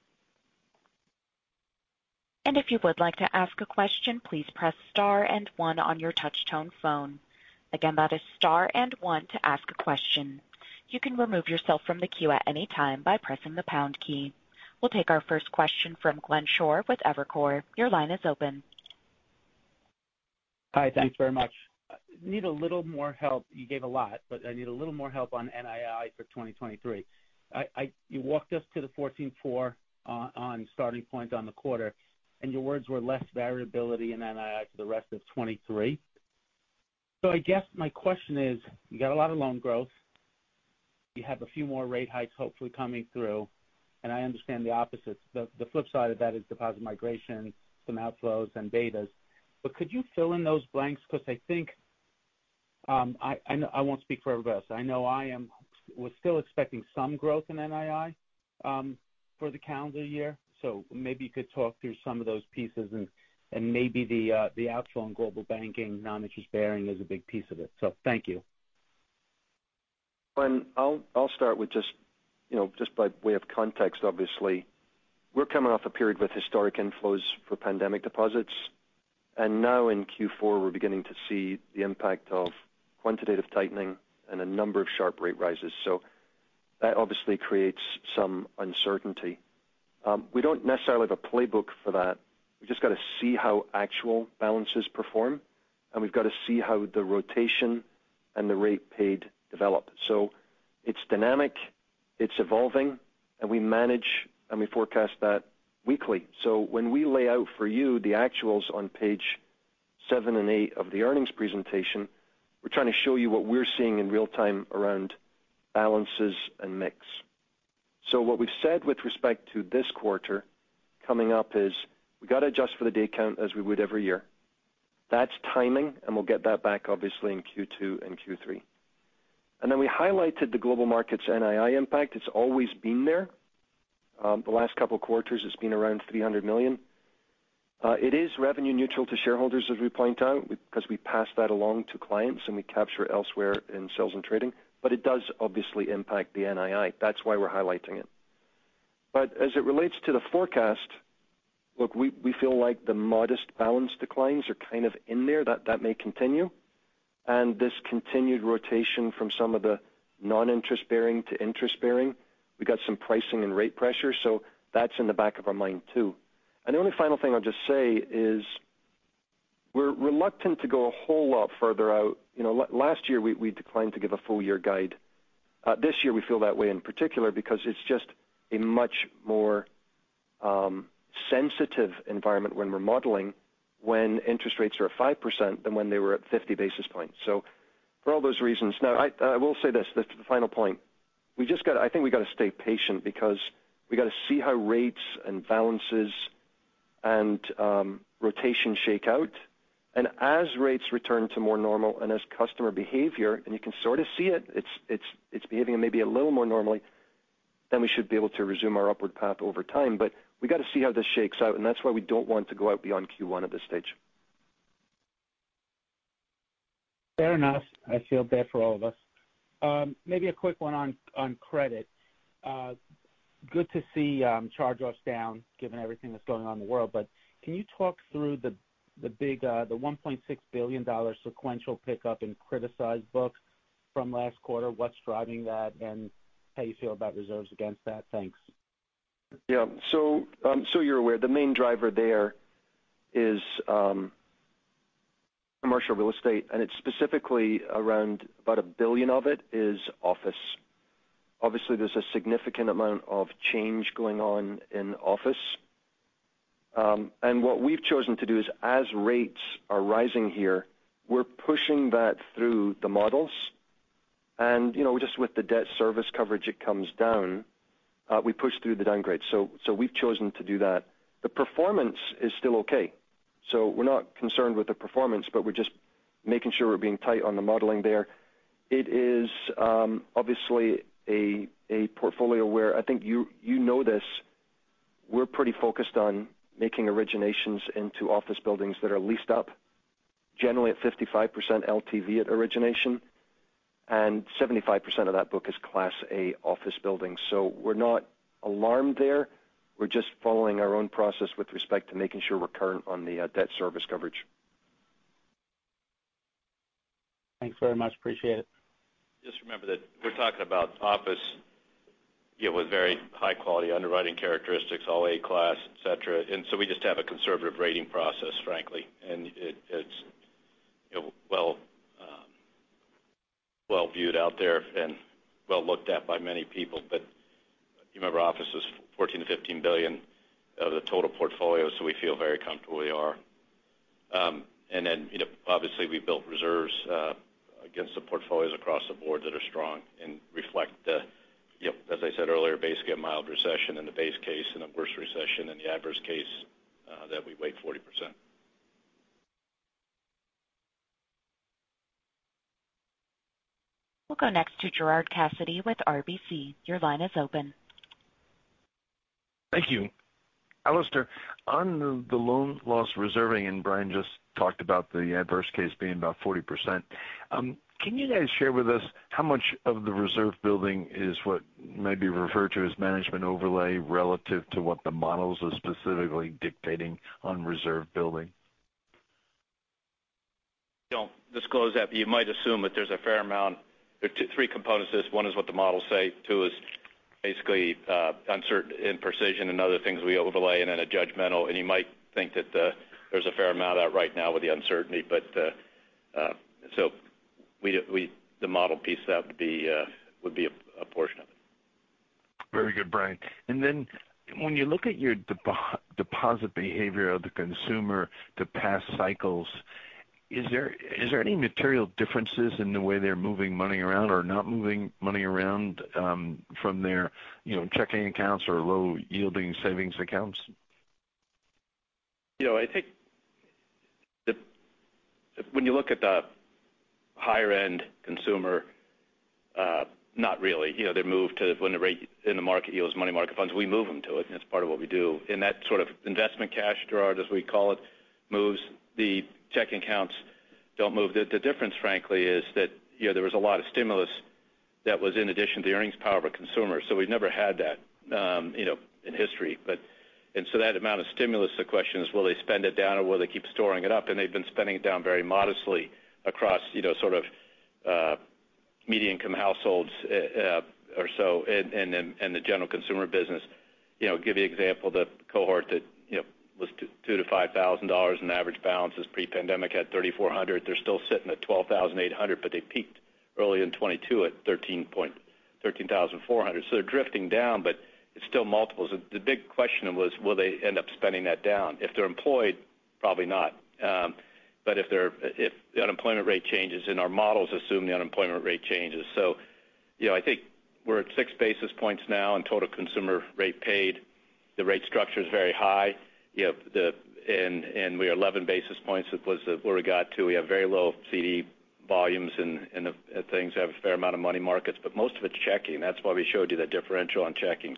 If you would like to ask a question, please press star and one on your touchtone phone. Again, that is star and one to ask a question. You can remove yourself from the queue at any time by pressing the pound key. We'll take our first question from Glenn Schorr with Evercore. Your line is open. Hi. Thanks very much. Need a little more help. You gave a lot, but I need a little more help on NII for 2023. You walked us to the $14.4 starting point on the quarter, and your words were less variability in NII for the rest of 23. I guess my question is, you got a lot of loan growth. You have a few more rate hikes hopefully coming through. I understand the opposite. The flip side of that is deposit migration, some outflows and betas. Could you fill in those blanks? Because I think, I know I won't speak for everybody else. I know I was still expecting some growth in NII for the calendar year. Maybe you could talk through some of those pieces and maybe the outflow in global banking, non-interest bearing is a big piece of it. Thank you. Glenn, I'll start with just, you know, just by way of context, obviously. We're coming off a period with historic inflows for pandemic deposits. Now in Q4, we're beginning to see the impact of quantitative tightening and a number of sharp rate rises. That obviously creates some uncertainty. We don't necessarily have a playbook for that. We just gotta see how actual balances perform, and we've gotta see how the rotation and the rate paid develop. It's dynamic, it's evolving, and we manage, and we forecast that weekly. When we lay out for you the actuals on page 7 and 8 of the earnings presentation, we're trying to show you what we're seeing in real time around balances and mix. What we've said with respect to this quarter coming up is we've got to adjust for the day count as we would every year. That's timing. We'll get that back obviously in Q2 and Q3. We highlighted the Global Markets NII impact. It's always been there. The last couple of quarters, it's been around $300 million. It is revenue neutral to shareholders, as we point out, because we pass that along to clients and we capture elsewhere in sales and trading. It does obviously impact the NII. That's why we're highlighting it. As it relates to the forecast, look, we feel like the modest balance declines are kind of in there. That may continue. This continued rotation from some of the non-interest bearing to interest bearing, we got some pricing and rate pressure. That's in the back of our mind too. The only final thing I'll just say is we're reluctant to go a whole lot further out. You know, last year we declined to give a full year guide. This year we feel that way in particular because it's just a much more sensitive environment when we're modeling when interest rates are at 5% than when they were at 50 basis points. For all those reasons. I will say this, the final point. I think we got to stay patient because we got to see how rates and balances and rotation shake out. As rates return to more normal and as customer behavior, and you can sort of see it's behaving maybe a little more normally than we should be able to resume our upward path over time. We got to see how this shakes out, and that's why we don't want to go out beyond Q1 at this stage. Fair enough. I feel bad for all of us. maybe a quick one on credit. good to see, charge-offs down given everything that's going on in the world. Can you talk through the big, the $1.6 billion sequential pickup in criticized books from last quarter? What's driving that, and how you feel about reserves against that? Thanks. So you're aware, the main driver there is commercial real estate, it's specifically around about $1 billion of it is office. Obviously, there's a significant amount of change going on in office. What we've chosen to do is as rates are rising here, we're pushing that through the models. You know, just with the debt service coverage, it comes down, we push through the downgrade. We've chosen to do that. The performance is still okay, so we're not concerned with the performance, but we're just making sure we're being tight on the modeling there. It is, obviously a portfolio where I think you know this, we're pretty focused on making originations into office buildings that are leased up generally at 55% LTV at origination, and 75% of that book is Class A office buildings. We're not alarmed there. We're just following our own process with respect to making sure we're current on the debt service coverage. Thanks very much. Appreciate it. Just remember that we're talking about office, you know, with very high quality underwriting characteristics, all A class, et cetera. We just have a conservative rating process, frankly. It's, you know, well, well viewed out there and well looked at by many people. Remember, office is $14 billion-$15 billion of the total portfolio, we feel very comfortable where we are. You know, obviously we built reserves against the portfolios across the board that are strong and reflect the, you know, as I said earlier, basically a mild recession in the base case and a worse recession in the adverse case that we weight 40%. We'll go next to Gerard Cassidy with RBC. Your line is open. Thank you. Alastair, on the loan loss reserving, Brian just talked about the adverse case being about 40%. Can you guys share with us how much of the reserve building is what may be referred to as management overlay relative to what the models are specifically dictating on reserve building? Don't disclose that, but you might assume that there's a fair amount. There are three components to this. One is what the models say. Two is basically imprecision and other things we overlay, and then a judgmental. You might think that there's a fair amount out right now with the uncertainty. The model piece, that would be a portion of it. Very good, Brian. When you look at your depo-deposit behavior of the consumer, the past cycles, is there any material differences in the way they're moving money around or not moving money around, from their, you know, checking accounts or low-yielding savings accounts? You know, I think when you look at the higher end consumer, not really. You know, they move to when the rate in the market yields money market funds, we move them to it, and it's part of what we do. That sort of investment cash draw down, as we call it, moves the checking accounts don't move. The difference, frankly, is that, you know, there was a lot of stimulus that was in addition to the earnings power of a consumer. We've never had that, you know, in history. That amount of stimulus, the question is, will they spend it down or will they keep storing it up? They've been spending it down very modestly across, you know, sort of, Median income households or so, and the general consumer business, you know, give you example, the cohort that, you know, was $2,000-$5,000 in average balances pre-pandemic had $3,400. They're still sitting at $12,800, but they peaked early in 2022 at $13,400. They're drifting down, but it's still multiples. The big question was will they end up spending that down? If they're employed, probably not. But if the unemployment rate changes, and our models assume the unemployment rate changes. You know, I think we're at 6 basis points now in total consumer rate paid. The rate structure is very high. And we are 11 basis points, which was where we got to. We have very low CD volumes and things. Have a fair amount of money markets. Most of it's checking. That's why we showed you that differential on checking.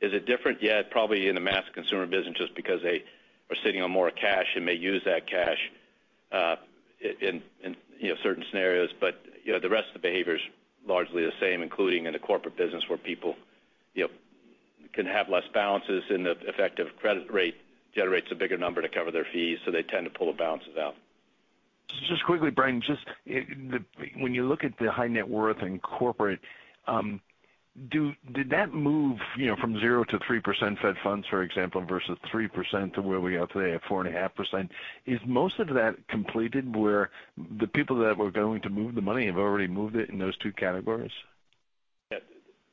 Is it different? Yeah, probably in the mass consumer business, just because they are sitting on more cash and may use that cash in, you know, certain scenarios. You know, the rest of the behavior is largely the same, including in the corporate business where people, you know, can have less balances, and the effective credit rate generates a bigger number to cover their fees, so they tend to pull the balances out. Just quickly, Brian, when you look at the high net worth in corporate, did that move, you know, from 0 to 3% Fed funds, for example, versus 3% to where we are today at 4.5%? Is most of that completed where the people that were going to move the money have already moved it in those two categories?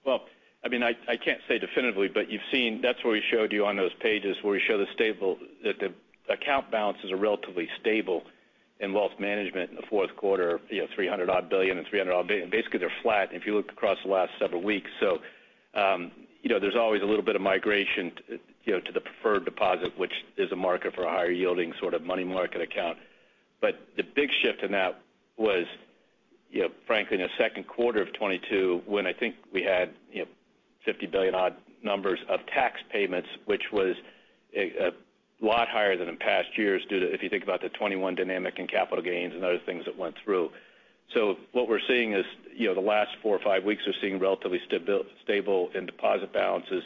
Well, I mean, I can't say definitively, but you've seen... that's where we showed you on those pages where we show the stable that the account balances are relatively stable in wealth management in the Q4, you know, $300 odd billion and basically they're flat, if you look across the last several weeks. You know, there's always a little bit of migration, you know, to the preferred deposit, which is a market for a higher yielding sort of money market account. The big shift in that was, you know, frankly, in the Q2 of 2022 when I think we had, you know, $50 billion odd numbers of tax payments, which was a lot higher than in past years due to if you think about the 2021 dynamic in capital gains and other things that went through. What we're seeing is, you know, the last four or five weeks, we're seeing relatively stable in deposit balances.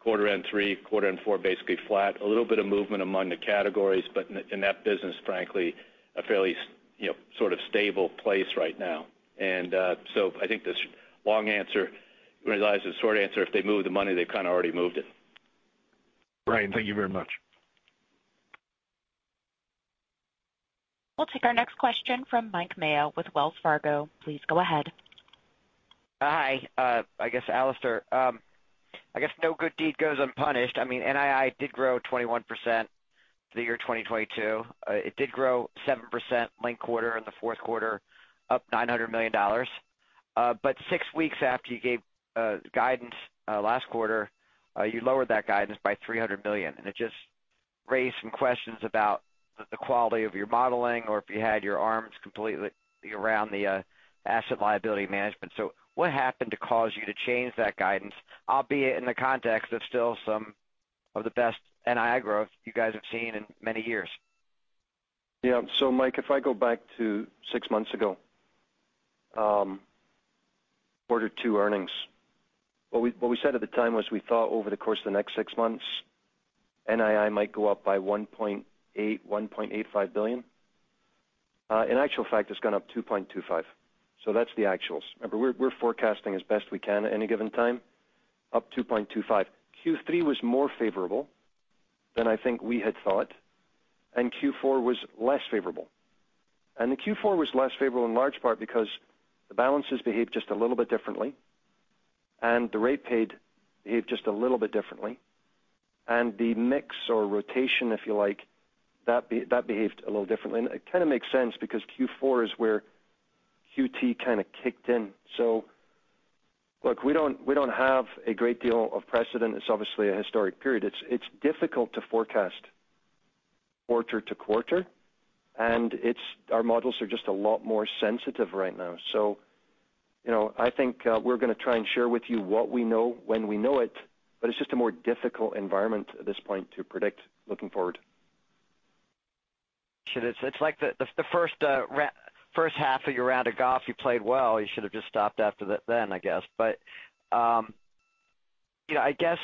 Quarter end three, Quarter end four, basically flat. A little bit of movement among the categories, but in that business, frankly, a fairly, you know, sort of stable place right now. I think the long answer relies on the short answer. If they move the money, they've kind of already moved it. Brian, thank you very much. We'll take our next question from Mike Mayo with Wells Fargo. Please go ahead. Hi. I guess Alastair. I guess no good deed goes unpunished. I mean, NII did grow 21% for the year 2022. It did grow 7% linked quarter in the Q4, up $900 million. But 6 weeks after you gave guidance last quarter, you lowered that guidance by $300 million. It just raised some questions about the quality of your modeling or if you had your arms completely around the asset liability management. What happened to cause you to change that guidance, albeit in the context of still some of the best NII growth you guys have seen in many years? Mike Mayo, if I go back to 6 months ago, Q2 earnings, what we said at the time was we thought over the course of the next 6 months, NII might go up by $1.8 billion-$1.85 billion. In actual fact, it's gone up $2.25 billion. That's the actuals. Remember, we're forecasting as best we can at any given time, up $2.25 billion. Q3 was more favorable than I think we had thought, and Q4 was less favorable. The Q4 was less favorable in large part because the balances behaved just a little bit differently, and the rate paid behaved just a little bit differently. The mix or rotation, if you like, that behaved a little differently. It kind of makes sense because Q4 is where Q3 kind of kicked in. Look, we don't have a great deal of precedent. It's obviously a historic period. It's, it's difficult to forecast quarter to quarter, and our models are just a lot more sensitive right now. You know, I think we're gonna try and share with you what we know when we know it, but it's just a more difficult environment at this point to predict looking forward. Sure. It's like the first half of your round of golf, you played well, you should have just stopped after then, I guess. you know, I guess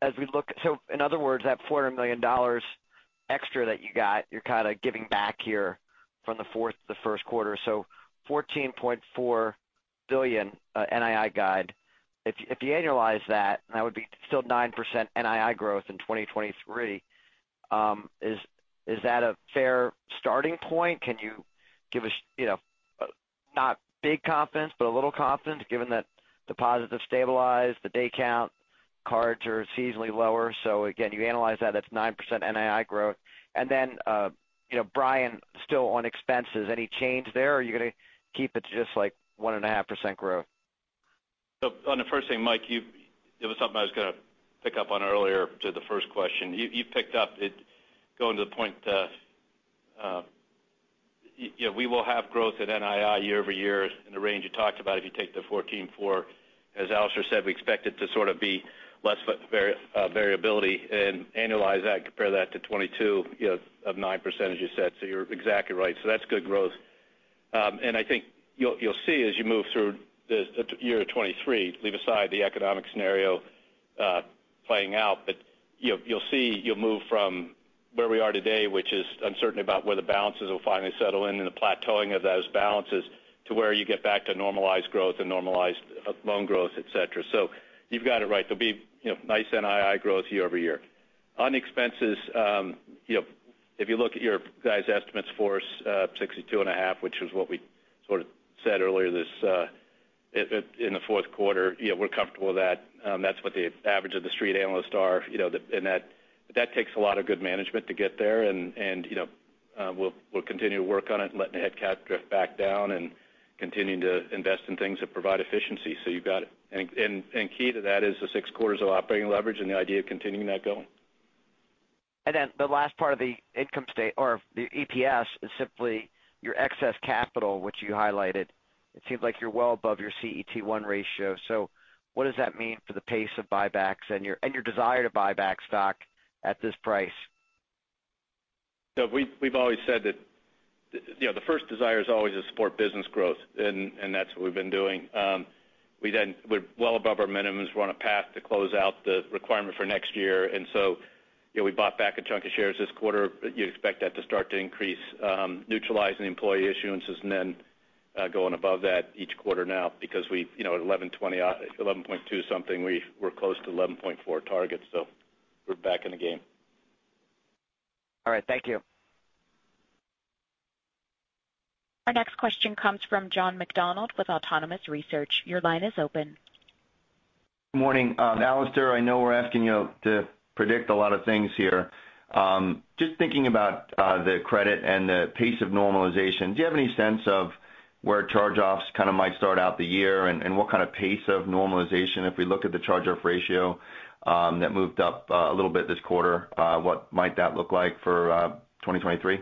as we look. In other words, that $400 million extra that you got, you're kind of giving back here from the fourth to the Q1. $14.4 billion NII guide. If you annualize that would be still 9% NII growth in 2023. Is that a fair starting point? Can you give us, you know, not big confidence, but a little confidence, given that deposits have stabilized, the day count cards are seasonally lower. Again, you analyze that's 9% NII growth. you know, Brian, still on expenses, any change there? Are you gonna keep it to just, like, 1.5% growth? On the first thing, Mike, it was something I was gonna pick up on earlier to the first question. You picked up it going to the point, you know, we will have growth at NII year-over-year in the range you talked about if you take the $14.4. As Alastair said, we expect it to sort of be less variability and annualize that, compare that to 2022, you know, of 9%, as you said. You're exactly right. That's good growth. I think you'll see as you move through the year of 2023, leave aside the economic scenario, Playing out. You'll see, you'll move from where we are today, which is uncertain about where the balances will finally settle in and the plateauing of those balances to where you get back to normalized growth and normalized loan growth, et cetera. You've got it right. There'll be, you know, nice NII growth year-over-year. On expenses, you know, if you look at your guys' estimates for us, $62.5, which is what we sort of said earlier this in the Q4, you know, we're comfortable with that. That's what the average of the street analysts are, you know, and that takes a lot of good management to get there. You know, we'll continue to work on it and letting the headcap drift back down and continuing to invest in things that provide efficiency. You've got it. Key to that is the six quarters of operating leverage and the idea of continuing that going. The last part of the income state or the EPS is simply your excess capital, which you highlighted. It seems like you're well above your CET1 ratio. What does that mean for the pace of buybacks and your desire to buy back stock at this price? We've always said that, you know, the first desire is always to support business growth, and that's what we've been doing. We're well above our minimums. We're on a path to close out the requirement for next year. You know, we bought back a chunk of shares this quarter. You'd expect that to start to increase, neutralizing employee issuances and then, going above that each quarter now because we, you know, 11.2 something, we're close to 11.4 targets, so we're back in the game. All right. Thank you. Our next question comes from John McDonald with Autonomous Research. Your line is open. Morning. Alastair, I know we're asking you to predict a lot of things here. Just thinking about the credit and the pace of normalization, do you have any sense of where charge-offs kind of might start out the year and what kind of pace of normalization? If we look at the charge-off ratio, that moved up a little bit this quarter, what might that look like for 2023?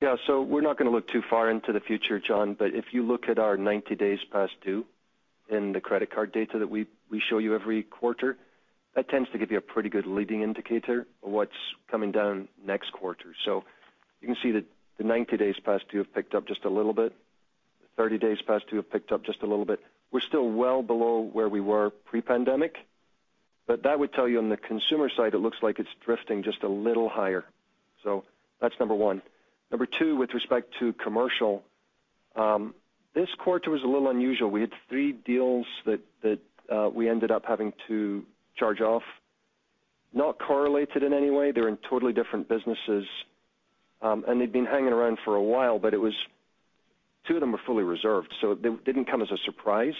Yeah. We're not going to look too far into the future, John. If you look at our 90 days past due in the credit card data that we show you every quarter, that tends to give you a pretty good leading indicator of what's coming down next quarter. You can see that the 90 days past due have picked up just a little bit. 30 days past due have picked up just a little bit. We're still well below where we were pre-pandemic, but that would tell you on the consumer side it looks like it's drifting just a little higher. That's number one. Number two, with respect to commercial, this quarter was a little unusual. We had 3 deals that we ended up having to charge off. Not correlated in any way. They're in totally different businesses. They've been hanging around for a while, but it was. Two of them were fully reserved, so they didn't come as a surprise.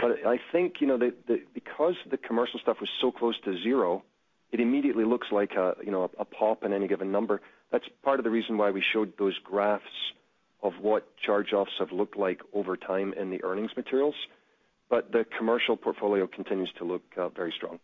I think, you know, the because the commercial stuff was so close to zero, it immediately looks like a, you know, a pop in any given number. That's part of the reason why we showed those graphs of what charge-offs have looked like over time in the earnings materials. The commercial portfolio continues to look very strong.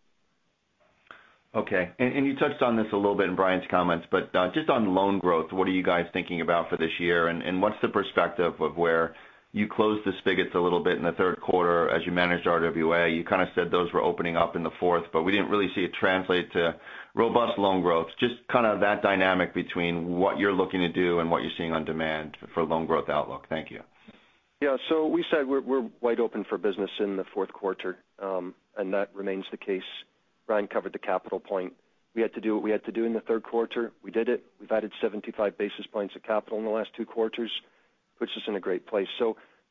Okay. You touched on this a little bit in Brian's comments, but just on loan growth, what are you guys thinking about for this year? What's the perspective of where you closed the spigots a little bit in the Q3 as you managed RWA? You kind of said those were opening up in the fourth, but we didn't really see it translate to robust loan growth. Just kind of that dynamic between what you're looking to do and what you're seeing on demand for loan growth outlook. Thank you. We said we're wide open for business in the Q4, that remains the case. Brian covered the capital point. We had to do what we had to do in the Q3. We did it. We've added 75 basis points of capital in the last two quarters, puts us in a great place.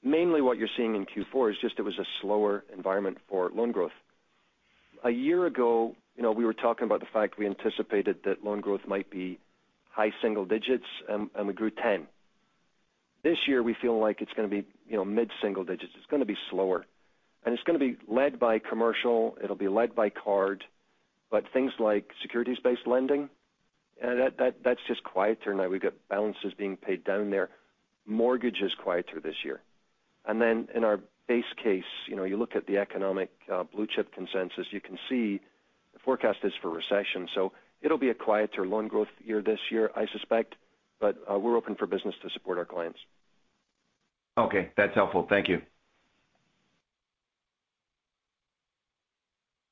Mainly what you're seeing in Q4 is just it was a slower environment for loan growth. A year ago, you know, we were talking about the fact we anticipated that loan growth might be high single digits, we grew 10. This year we feel like it's going to be, you know, mid-single digits. It's going to be slower and it's going to be led by commercial. It'll be led by card. Things like securities-based lending, that's just quieter now. We've got balances being paid down there. Mortgage is quieter this year. In our base case, you know, you look at the economic Blue Chip consensus, you can see the forecast is for recession. It'll be a quieter loan growth year this year, I suspect, but we're open for business to support our clients. Okay. That's helpful. Thank you.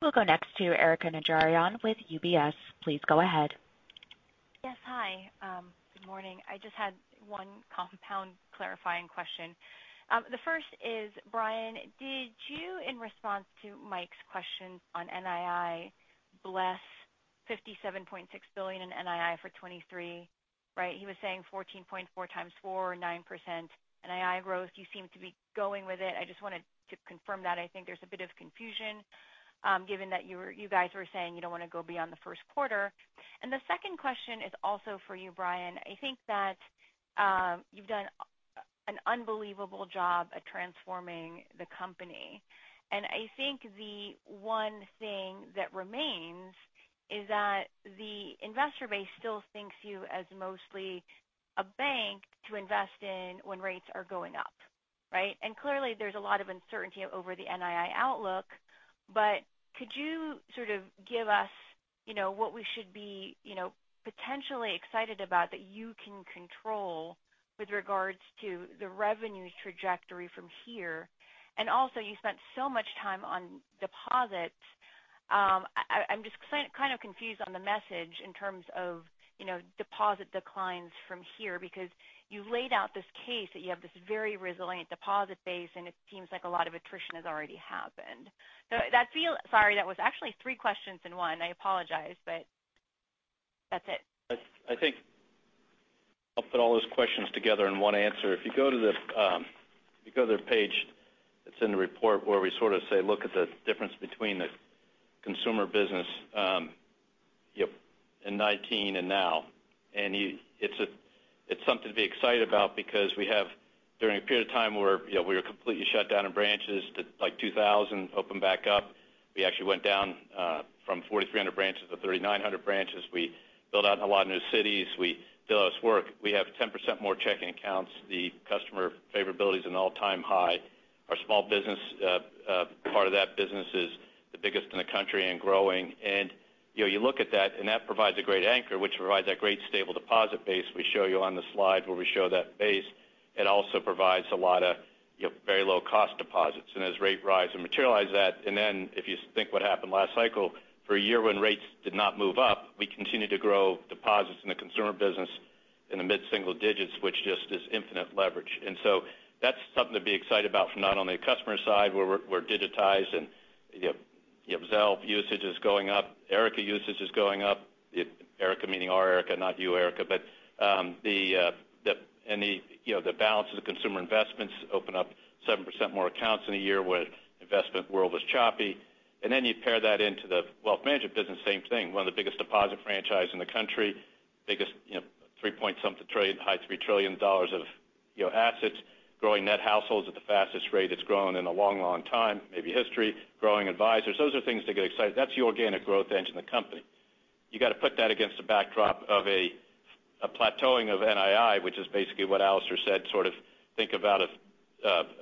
We'll go next to Erika Najarian with UBS. Please go ahead. Yes. Hi. Good morning. I just had one compound clarifying question. The first is, Brian, did you, in response to Mike's question on NII, bless $57.6 billion in NII for 2023, right? He was saying 14.4 times 4% or 9% NII growth. You seem to be going with it. I just wanted to confirm that. I think there's a bit of confusion, given that you guys were saying you don't want to go beyond the Q1. The second question is also for you, Brian. I think that, you've done an unbelievable job at transforming the company. I think the one thing that remains is that the investor base still thinks you as mostly a bank to invest in when rates are going up, right? Clearly there's a lot of uncertainty over the NII outlook, but could you sort of give us, you know, what we should be, you know, potentially excited about that you can control with regards to the revenue trajectory from here? Also you spent so much time on deposits. I'm just kind of confused on the message in terms of, you know, deposit declines from here because you laid out this case that you have this very resilient deposit base, and it seems like a lot of attrition has already happened. Sorry, that was actually three questions in one. I apologize, that's it. I think I'll put all those questions together in one answer. If you go to the page that's in the report where we sort of say, look at the difference between the consumer business, you know, in 2019 and now. it's something to be excited about because we have, during a period of time where, you know, we were completely shut down in branches to like 2,000 open back up. We actually went down from 4,300 branches to 3,900 branches. We built out in a lot of new cities. We did a lot of work. We have 10% more checking accounts. The customer favorability is an all-time high. Our small business part of that business is the biggest in the country and growing. You know, you look at that, and that provides a great anchor, which provides that great stable deposit base. We show you on the slide where we show that base. It also provides a lot of, you know, very low-cost deposits. As rate rise and materialize that, and then if you think what happened last cycle for a year when rates did not move up, we continued to grow deposits in the consumer business in the mid-single digits, which just is infinite leverage. So that's something to be excited about from not only the customer side, where we're digitized and, you know, you know, Zelle usage is going up. Erica usage is going up. Erica meaning our Erica, not you, Erica. The, you know, the balance of the consumer investments open up 7% more accounts in a year where investment world was choppy. Then you pair that into the wealth management business, same thing. One of the biggest deposit franchise in the country. Biggest, you know, $3 point something trillion, high $3 trillion of, you know, assets. Growing net households at the fastest rate it's grown in a long, long time, maybe history. Growing advisors. Those are things to get excited. That's the organic growth engine of the company. You got to put that against a backdrop of a plateauing of NII, which is basically what Alastair said, sort of think about a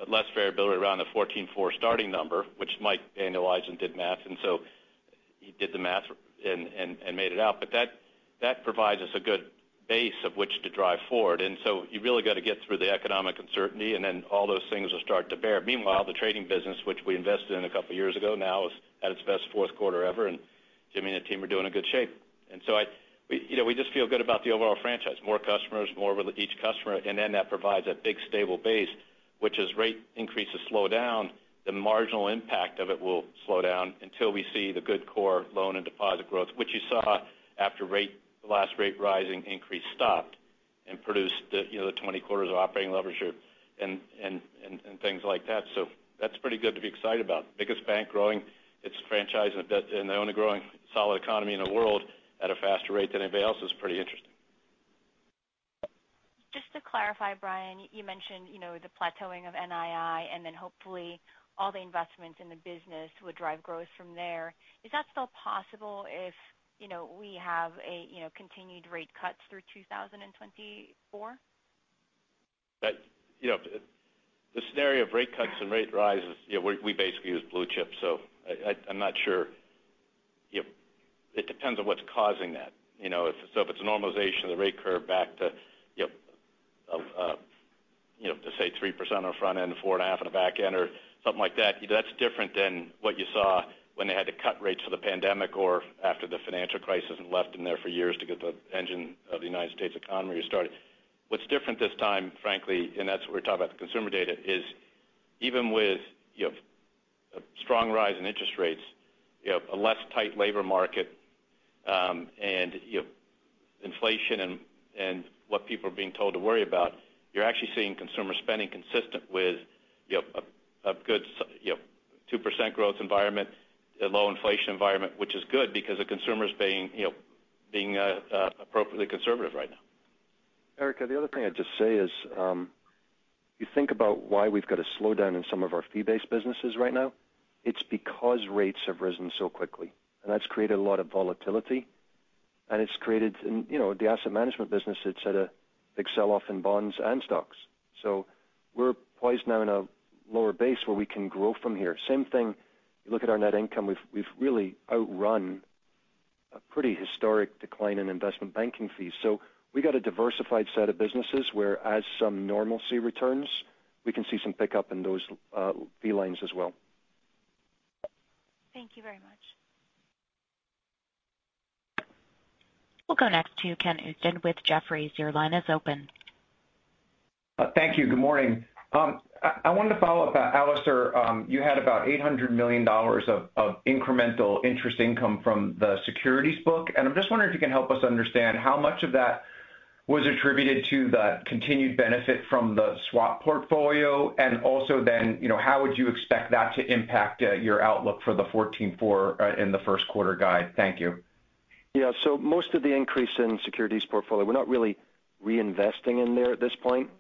less variability around the 14.4 starting number, which Mike, Dan, Elijah did math, so he did the math and made it out. That provides us a good base of which to drive forward. You really got to get through the economic uncertainty, and then all those things will start to bear. Meanwhile, the trading business, which we invested in a couple years ago, now is at its best Q4 ever, and Jimmy and the team are doing in good shape. We, you know, we just feel good about the overall franchise. More customers, more with each customer, and then that provides a big stable base, which as rate increases slow down, the marginal impact of it will slow down until we see the good core loan and deposit growth, which you saw after the last rate rising increase stopped and produced the, you know, the 20 quarters of operating leverage and things like that. That's pretty good to be excited about. Biggest bank growing its franchise in a bit, and the only growing solid economy in the world at a faster rate than anybody else is pretty interesting. Just to clarify, Brian, you mentioned, you know, the plateauing of NII and then hopefully all the investments in the business would drive growth from there. Is that still possible if, you know, we have a, you know, continued rate cuts through 2024? That, you know, the scenario of rate cuts and rate rises, you know, we basically use Blue Chip, so I, I'm not sure. You know, it depends on what's causing that, you know. If so, if it's a normalization of the rate curve back to, you know, you know, to say 3% on the front end, 4.5% on the back end or something like that, you know, that's different than what you saw when they had to cut rates for the pandemic or after the financial crisis and left them there for years to get the engine of the United States economy restarted. What's different this time, frankly, and that's what we're talking about the consumer data, is even with, you know, a strong rise in interest rates, you know, a less tight labor market, and, you know, inflation and what people are being told to worry about, you're actually seeing consumer spending consistent with, you know, a good, you know, 2% growth environment, a low inflation environment, which is good because the consumer's being, you know, being appropriately conservative right now. Erica, the other thing I'd just say is, you think about why we've got a slowdown in some of our fee-based businesses right now. It's because rates have risen so quickly. That's created a lot of volatility, and it's created, you know, the asset management business, it's at a big sell-off in bonds and stocks. We're poised now in a lower base where we can grow from here. Same thing, you look at our net income, we've really outrun a pretty historic decline in investment banking fees. We've got a diversified set of businesses where as some normalcy returns, we can see some pickup in those fee lines as well. Thank you very much. We'll go next to Ken Usdin with Jefferies. Your line is open. Thank you. Good morning. I wanted to follow up, Alastair. You had about $800 million of incremental interest income from the securities book. I'm just wondering if you can help us understand how much of that was attributed to the continued benefit from the swap portfolio. Also then, you know, how would you expect that to impact your outlook for the 14.4 in the Q1 guide? Thank you. Yeah. Most of the increase in securities portfolio, we're not really reinvesting in there at this point.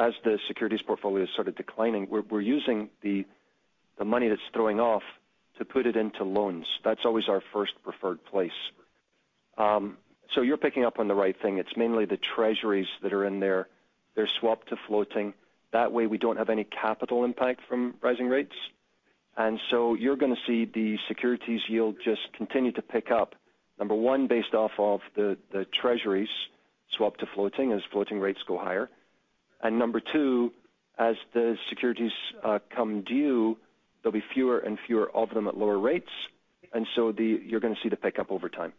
As the securities portfolio is sort of declining, we're using the money that's throwing off to put it into loans. That's always our first preferred place. You're picking up on the right thing. It's mainly the treasuries that are in there. They're swapped to floating. That way, we don't have any capital impact from rising rates. You're gonna see the securities yield just continue to pick up, number one, based off of the treasuries swap to floating as floating rates go higher. Number two, as the securities come due, there'll be fewer and fewer of them at lower rates. You're gonna see the pickup over time.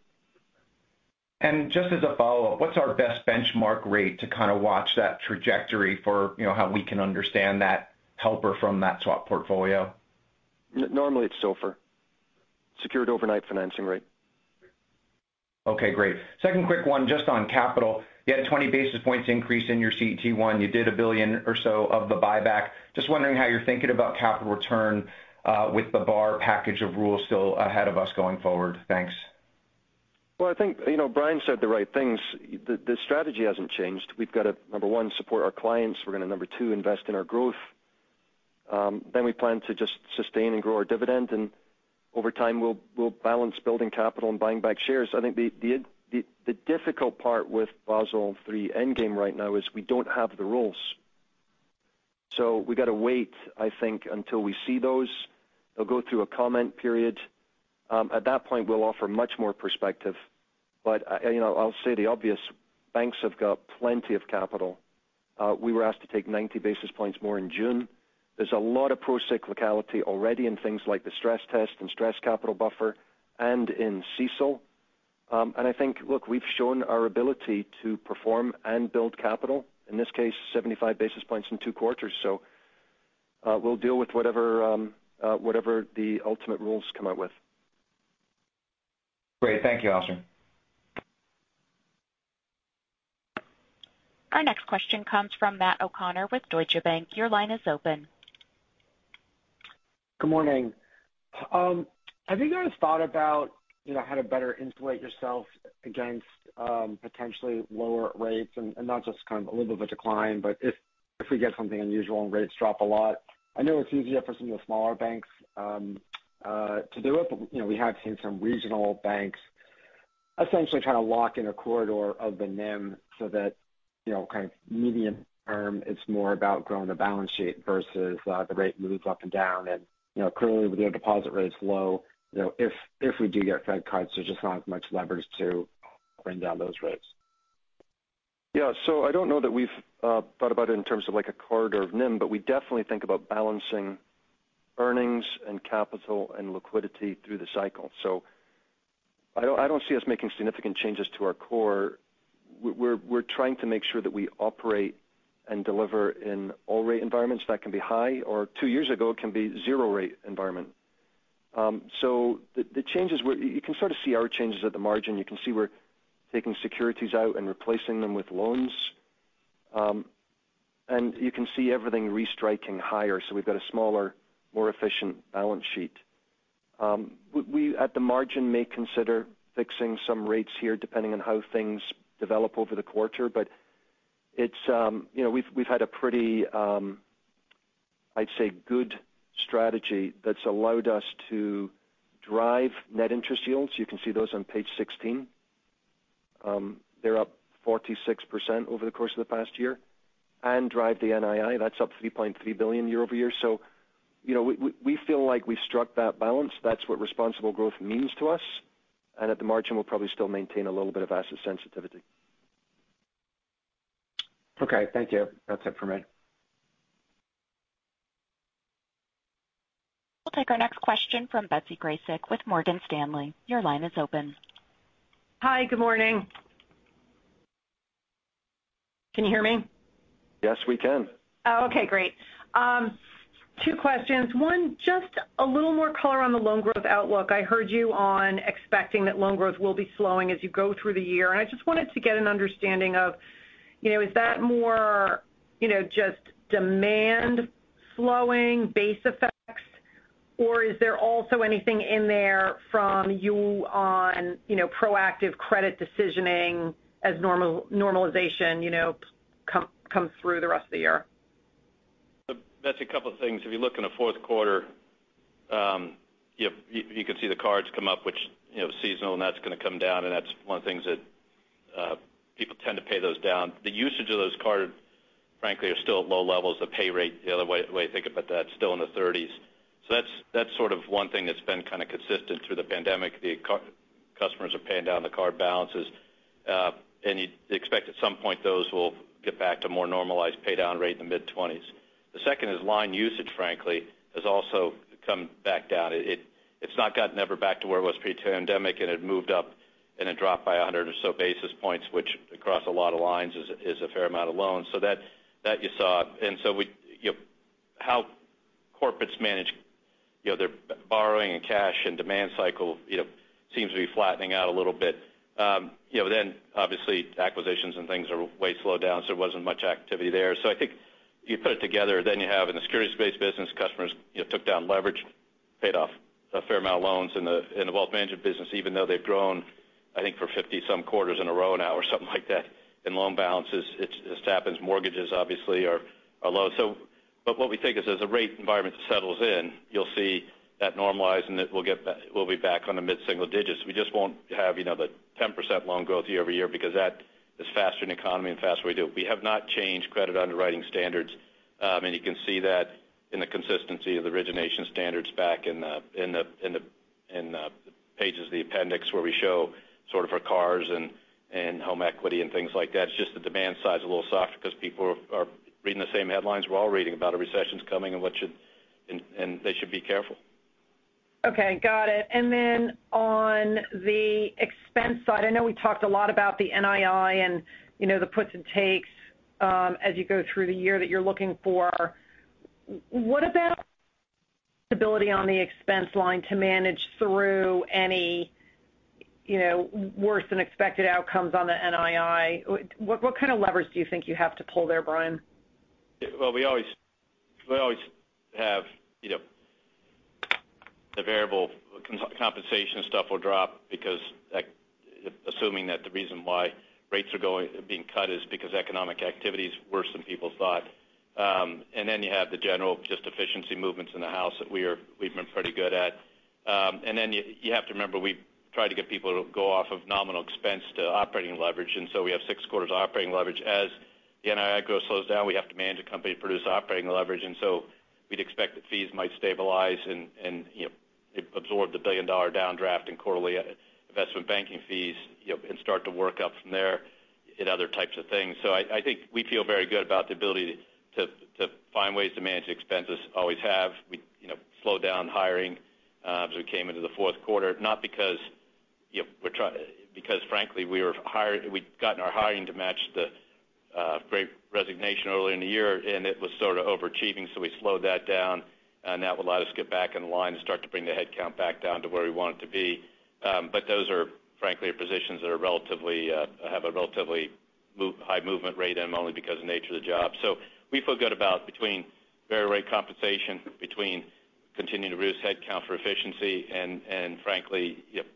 Just as a follow-up, what's our best benchmark rate to kind of watch that trajectory for, you know, how we can understand that help or from that swap portfolio? Normally it's SOFR, Secured Overnight Financing Rate. Okay, great. Second quick one just on capital. You had 20 basis points increase in your CET1. You did $1 billion or so of the buyback. Just wondering how you're thinking about capital return with the Barr package of rules still ahead of us going forward. Thanks. Well, I think, you know, Brian said the right things. The, the strategy hasn't changed. We've got to, number one, support our clients. We're gonna, number two, invest in our growth. Then we plan to just sustain and grow our dividend. Over time, we'll balance building capital and buying back shares. I think the difficult part with Basel III Endgame right now is we don't have the rules. We gotta wait, I think, until we see those. They'll go through a comment period. At that point we'll offer much more perspective. You know, I'll say the obvious, banks have got plenty of capital. We were asked to take 90 basis points more in June. There's a lot of procyclicality already in things like the stress test and stress capital buffer and in CECL. I think, look, we've shown our ability to perform and build capital. In this case, 75 basis points in 2 quarters. We'll deal with whatever the ultimate rules come out with. Great. Thank you, Alastair. Our next question comes from Matt O'Connor with Deutsche Bank. Your line is open. Good morning. Have you guys thought about, you know, how to better insulate yourself against potentially lower rates and not just kind of a little bit of a decline, but if we get something unusual and rates drop a lot? I know it's easier for some of the smaller banks to do it, but, you know, we have seen some regional banks essentially trying to lock in a corridor of the NIM so that, you know, kind of medium term, it's more about growing the balance sheet versus the rate moves up and down. You know, clearly with their deposit rates low, you know, if we do get Fed cuts, there's just not much leverage to bring down those rates. Yeah. I don't know that we've thought about it in terms of like a corridor of NIM, but we definitely think about balancing earnings and capital and liquidity through the cycle. I don't see us making significant changes to our core. We're trying to make sure that we operate and deliver in all rate environments. That can be high, or two years ago it can be zero rate environment. You can sort of see our changes at the margin. You can see we're taking securities out and replacing them with loans. You can see everything restriking higher. We've got a smaller, more efficient balance sheet. We at the margin may consider fixing some rates here depending on how things develop over the quarter. It's, you know, we've had a pretty, I'd say good strategy that's allowed us to drive net interest yields. You can see those on page 16. They're up 46% over the course of the past year. Drive the NII, that's up $3.3 billion year-over-year. You know, we feel like we struck that balance. That's what responsible growth means to us. At the margin, we'll probably still maintain a little bit of asset sensitivity. Okay, thank you. That's it for me. We'll take our next question from Betsy Graseck with Morgan Stanley. Your line is open. Hi, good morning. Can you hear me? Yes, we can. Oh, okay, great. Two questions. One, just a little more color on the loan growth outlook. I heard you on expecting that loan growth will be slowing as you go through the year. I just wanted to get an understanding of, you know, is that more, you know, just demand slowing base effects? Or is there also anything in there from you on, you know, proactive credit decisioning as normalization, you know, come through the rest of the year? That's a couple things. If you look in the Q4, you can see the cards come up which, you know, seasonal and that's gonna come down and that's one of the things that people tend to pay those down. The usage of those card frankly are still at low levels. The pay rate, the other way to think about that, is still in the 2030s. That's, that's sort of one thing that's been kind of consistent through the pandemic. Customers are paying down the card balances. You'd expect at some point those will get back to more normalized pay down rate in the mid-2020s. The second is line usage, frankly, has also come back down. It's not gotten ever back to where it was pre-pandemic. It moved up and it dropped by 100 or so basis points which across a lot of lines is a fair amount of loans. That you saw. We, you know, how corporates manage, you know, their borrowing and cash and demand cycle, you know, seems to be flattening out a little bit. You know, obviously acquisitions and things are way slowed down, so there wasn't much activity there. I think you put it together, then you have in the securities-based business, customers, you know, took down leverage, paid off a fair amount of loans in the wealth management business, even though they've grown, I think for 50 some quarters in a row now or something like that in loan balances. It happens. Mortgages obviously are low. What we think is as the rate environment settles in, you'll see that normalize and it will we'll be back on the mid-single digits. We just won't have, you know, the 10% loan growth year-over-year because that is faster than economy and faster than we do. We have not changed credit underwriting standards. And you can see that in the consistency of the origination standards back in the. Pages, the appendix where we show sort of our cars and home equity and things like that. It's just the demand side's a little softer because people are reading the same headlines we're all reading about a recession's coming and they should be careful. Okay, got it. On the expense side, I know we talked a lot about the NII and, you know, the puts and takes, as you go through the year that you're looking for. What about stability on the expense line to manage through any, you know, worse than expected outcomes on the NII? What, what kind of levers do you think you have to pull there, Brian? Well, we always have, you know. The variable compensation stuff will drop because, like, assuming that the reason why rates are being cut is because economic activity is worse than people thought. Then you have the general just efficiency movements in the house that we've been pretty good at. Then you have to remember, we try to get people to go off of nominal expense to operating leverage. We have 6 quarters of operating leverage. As the NII growth slows down, we have to manage a company to produce operating leverage. We'd expect that fees might stabilize and, you know, absorb the $1 billion downdraft in quarterly investment banking fees, you know, and start to work up from there in other types of things. I think we feel very good about the ability to find ways to manage expenses. Always have. We, you know, slowed down hiring as we came into the Q4, not because, you know, because frankly, we'd gotten our hiring to match the great resignation earlier in the year, and it was sort of overachieving, so we slowed that down, and that will allow us to get back in line and start to bring the headcount back down to where we want it to be. Those are frankly positions that are relatively have a relatively high movement rate and only because of the nature of the job. We feel good about between variable rate compensation, between continuing to reduce headcount for efficiency and frankly, you know,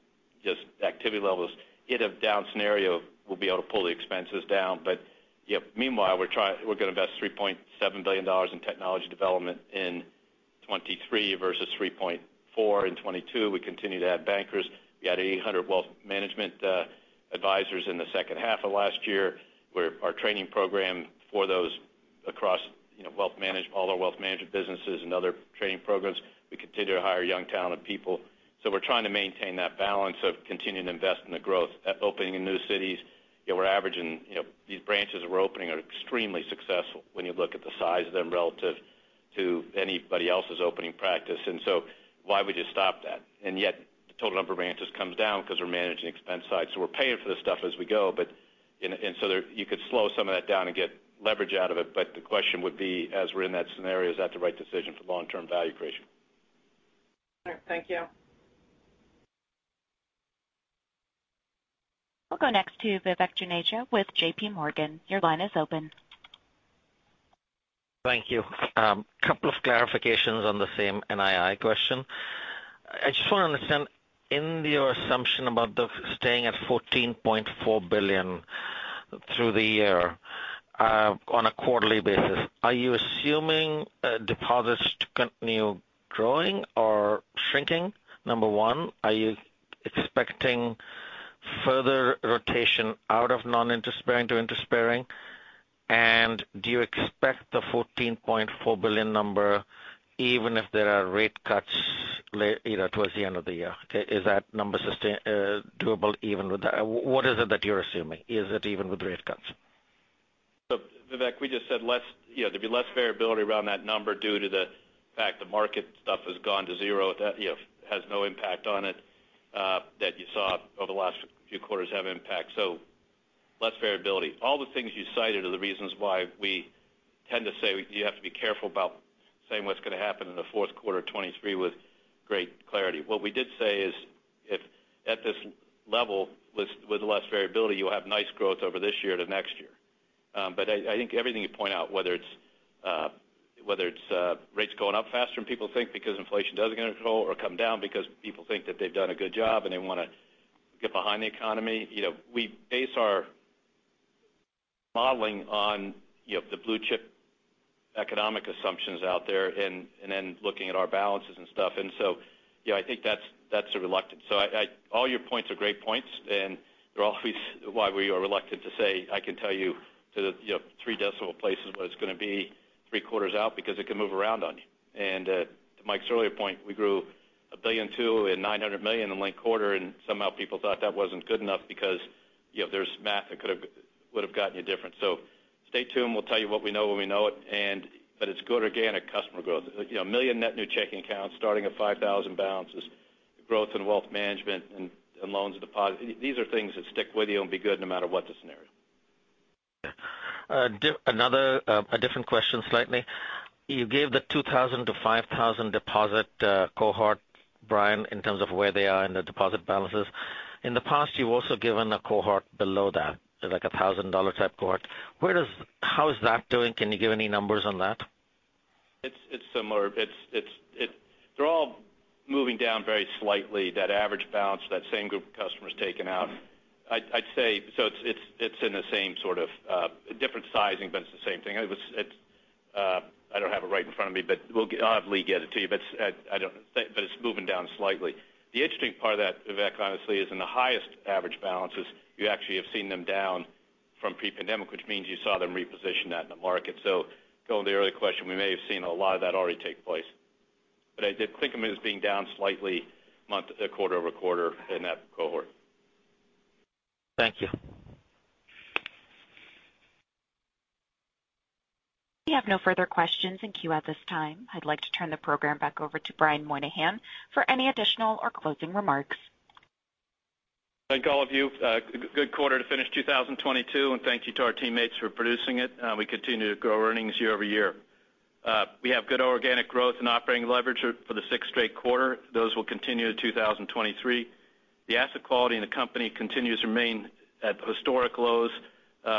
just activity levels. In a down scenario, we'll be able to pull the expenses down. Meanwhile, you know, we're going to invest $3.7 billion in technology development in 2023 versus $3.4 billion in 2022. We continue to add bankers. We added 800 wealth management advisors in the second half of last year. Our training program for those across, you know, all our wealth management businesses and other training programs. We continue to hire young talented people. We're trying to maintain that balance of continuing to invest in the growth, opening in new cities. You know, we're averaging, you know, these branches that we're opening are extremely successful when you look at the size of them relative to anybody else's opening practice. Why would you stop that? Yet the total number of branches comes down because we're managing expense side. We're paying for this stuff as we go, but, and so you could slow some of that down and get leverage out of it. The question would be, as we're in that scenario, is that the right decision for long-term value creation? All right. Thank you. We'll go next to Vivek Juneja with JPMorgan. Your line is open. Thank you. A couple of clarifications on the same NII question. I just want to understand, in your assumption about the staying at $14.4 billion through the year, on a quarterly basis, are you assuming deposits to continue growing or shrinking, number one? Are you expecting further rotation out of non-interest bearing to interest bearing? Do you expect the $14.4 billion number even if there are rate cuts, you know, towards the end of the year? Is that number doable even with that? What is it that you're assuming? Is it even with rate cuts? Vivek, we just said less, you know, there'd be less variability around that number due to the fact the market stuff has gone to zero. That, you know, has no impact on it, that you saw over the last few quarters have impact. Less variability. All the things you cited are the reasons why we tend to say you have to be careful about saying what's going to happen in the Q4 of 2023 with great clarity. We did say is if at this level with less variability, you'll have nice growth over this year to next year. I think everything you point out, whether it's, whether it's, rates going up faster than people think because inflation does get under control or come down because people think that they've done a good job and they wanna get behind the economy. You know, we base our modeling on, you know, the Blue Chip economic assumptions out there and then looking at our balances and stuff. You know, I think that's a reluctance. All your points are great points, and they're always why we are reluctant to say, I can tell you to the, you know, 3 decimal places what it's gonna be 3 quarters out because it can move around on you. To Mike Mayo's earlier point, we grew $1.2 billion and $900 million in the linked quarter, somehow people thought that wasn't good enough because, you know, there's math that would have gotten you different. Stay tuned. We'll tell you what we know when we know it. It's good organic customer growth. You know, 1 million net new checking accounts starting at $5,000 balances, growth in wealth management and loans and deposits. These are things that stick with you and be good no matter what the scenario. Okay. another, a different question slightly. You gave the 2,000-5,000 deposit cohort, Brian, in terms of where they are in the deposit balances. In the past, you've also given a cohort below that, like a $1,000-type cohort. How is that doing? Can you give any numbers on that? It's similar. They're all moving down very slightly, that average balance, that same group of customers taken out. I'd say it's in the same sort of different sizing, but it's the same thing. It's, I don't have it right in front of me, but I'll have Lee get it to you. It's moving down slightly. The interesting part of that, Vivek, honestly, is in the highest average balances, you actually have seen them down from pre-pandemic, which means you saw them reposition that in the market. Going to the earlier question, we may have seen a lot of that already take place. I did think of it as being down slightly quarter over quarter in that cohort. Thank you. We have no further questions in queue at this time. I'd like to turn the program back over to Brian Moynihan for any additional or closing remarks. Thank all of you. Good quarter to finish 2022. Thank you to our teammates for producing it. We continue to grow earnings year-over-year. We have good organic growth and operating leverage for the 6th straight quarter. Those will continue to 2023. The asset quality in the company continues to remain at historic lows,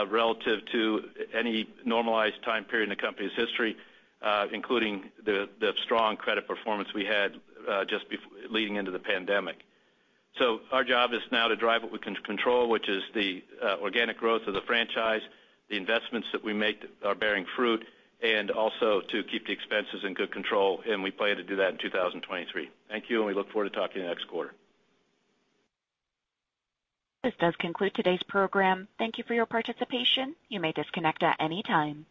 relative to any normalized time period in the company's history, including the strong credit performance we had leading into the pandemic. Our job is now to drive what we can control, which is the organic growth of the franchise, the investments that we make are bearing fruit, and also to keep the expenses in good control, and we plan to do that in 2023. Thank you. We look forward to talking to you next quarter. This does conclude today's program. Thank you for your participation. You may disconnect at any time.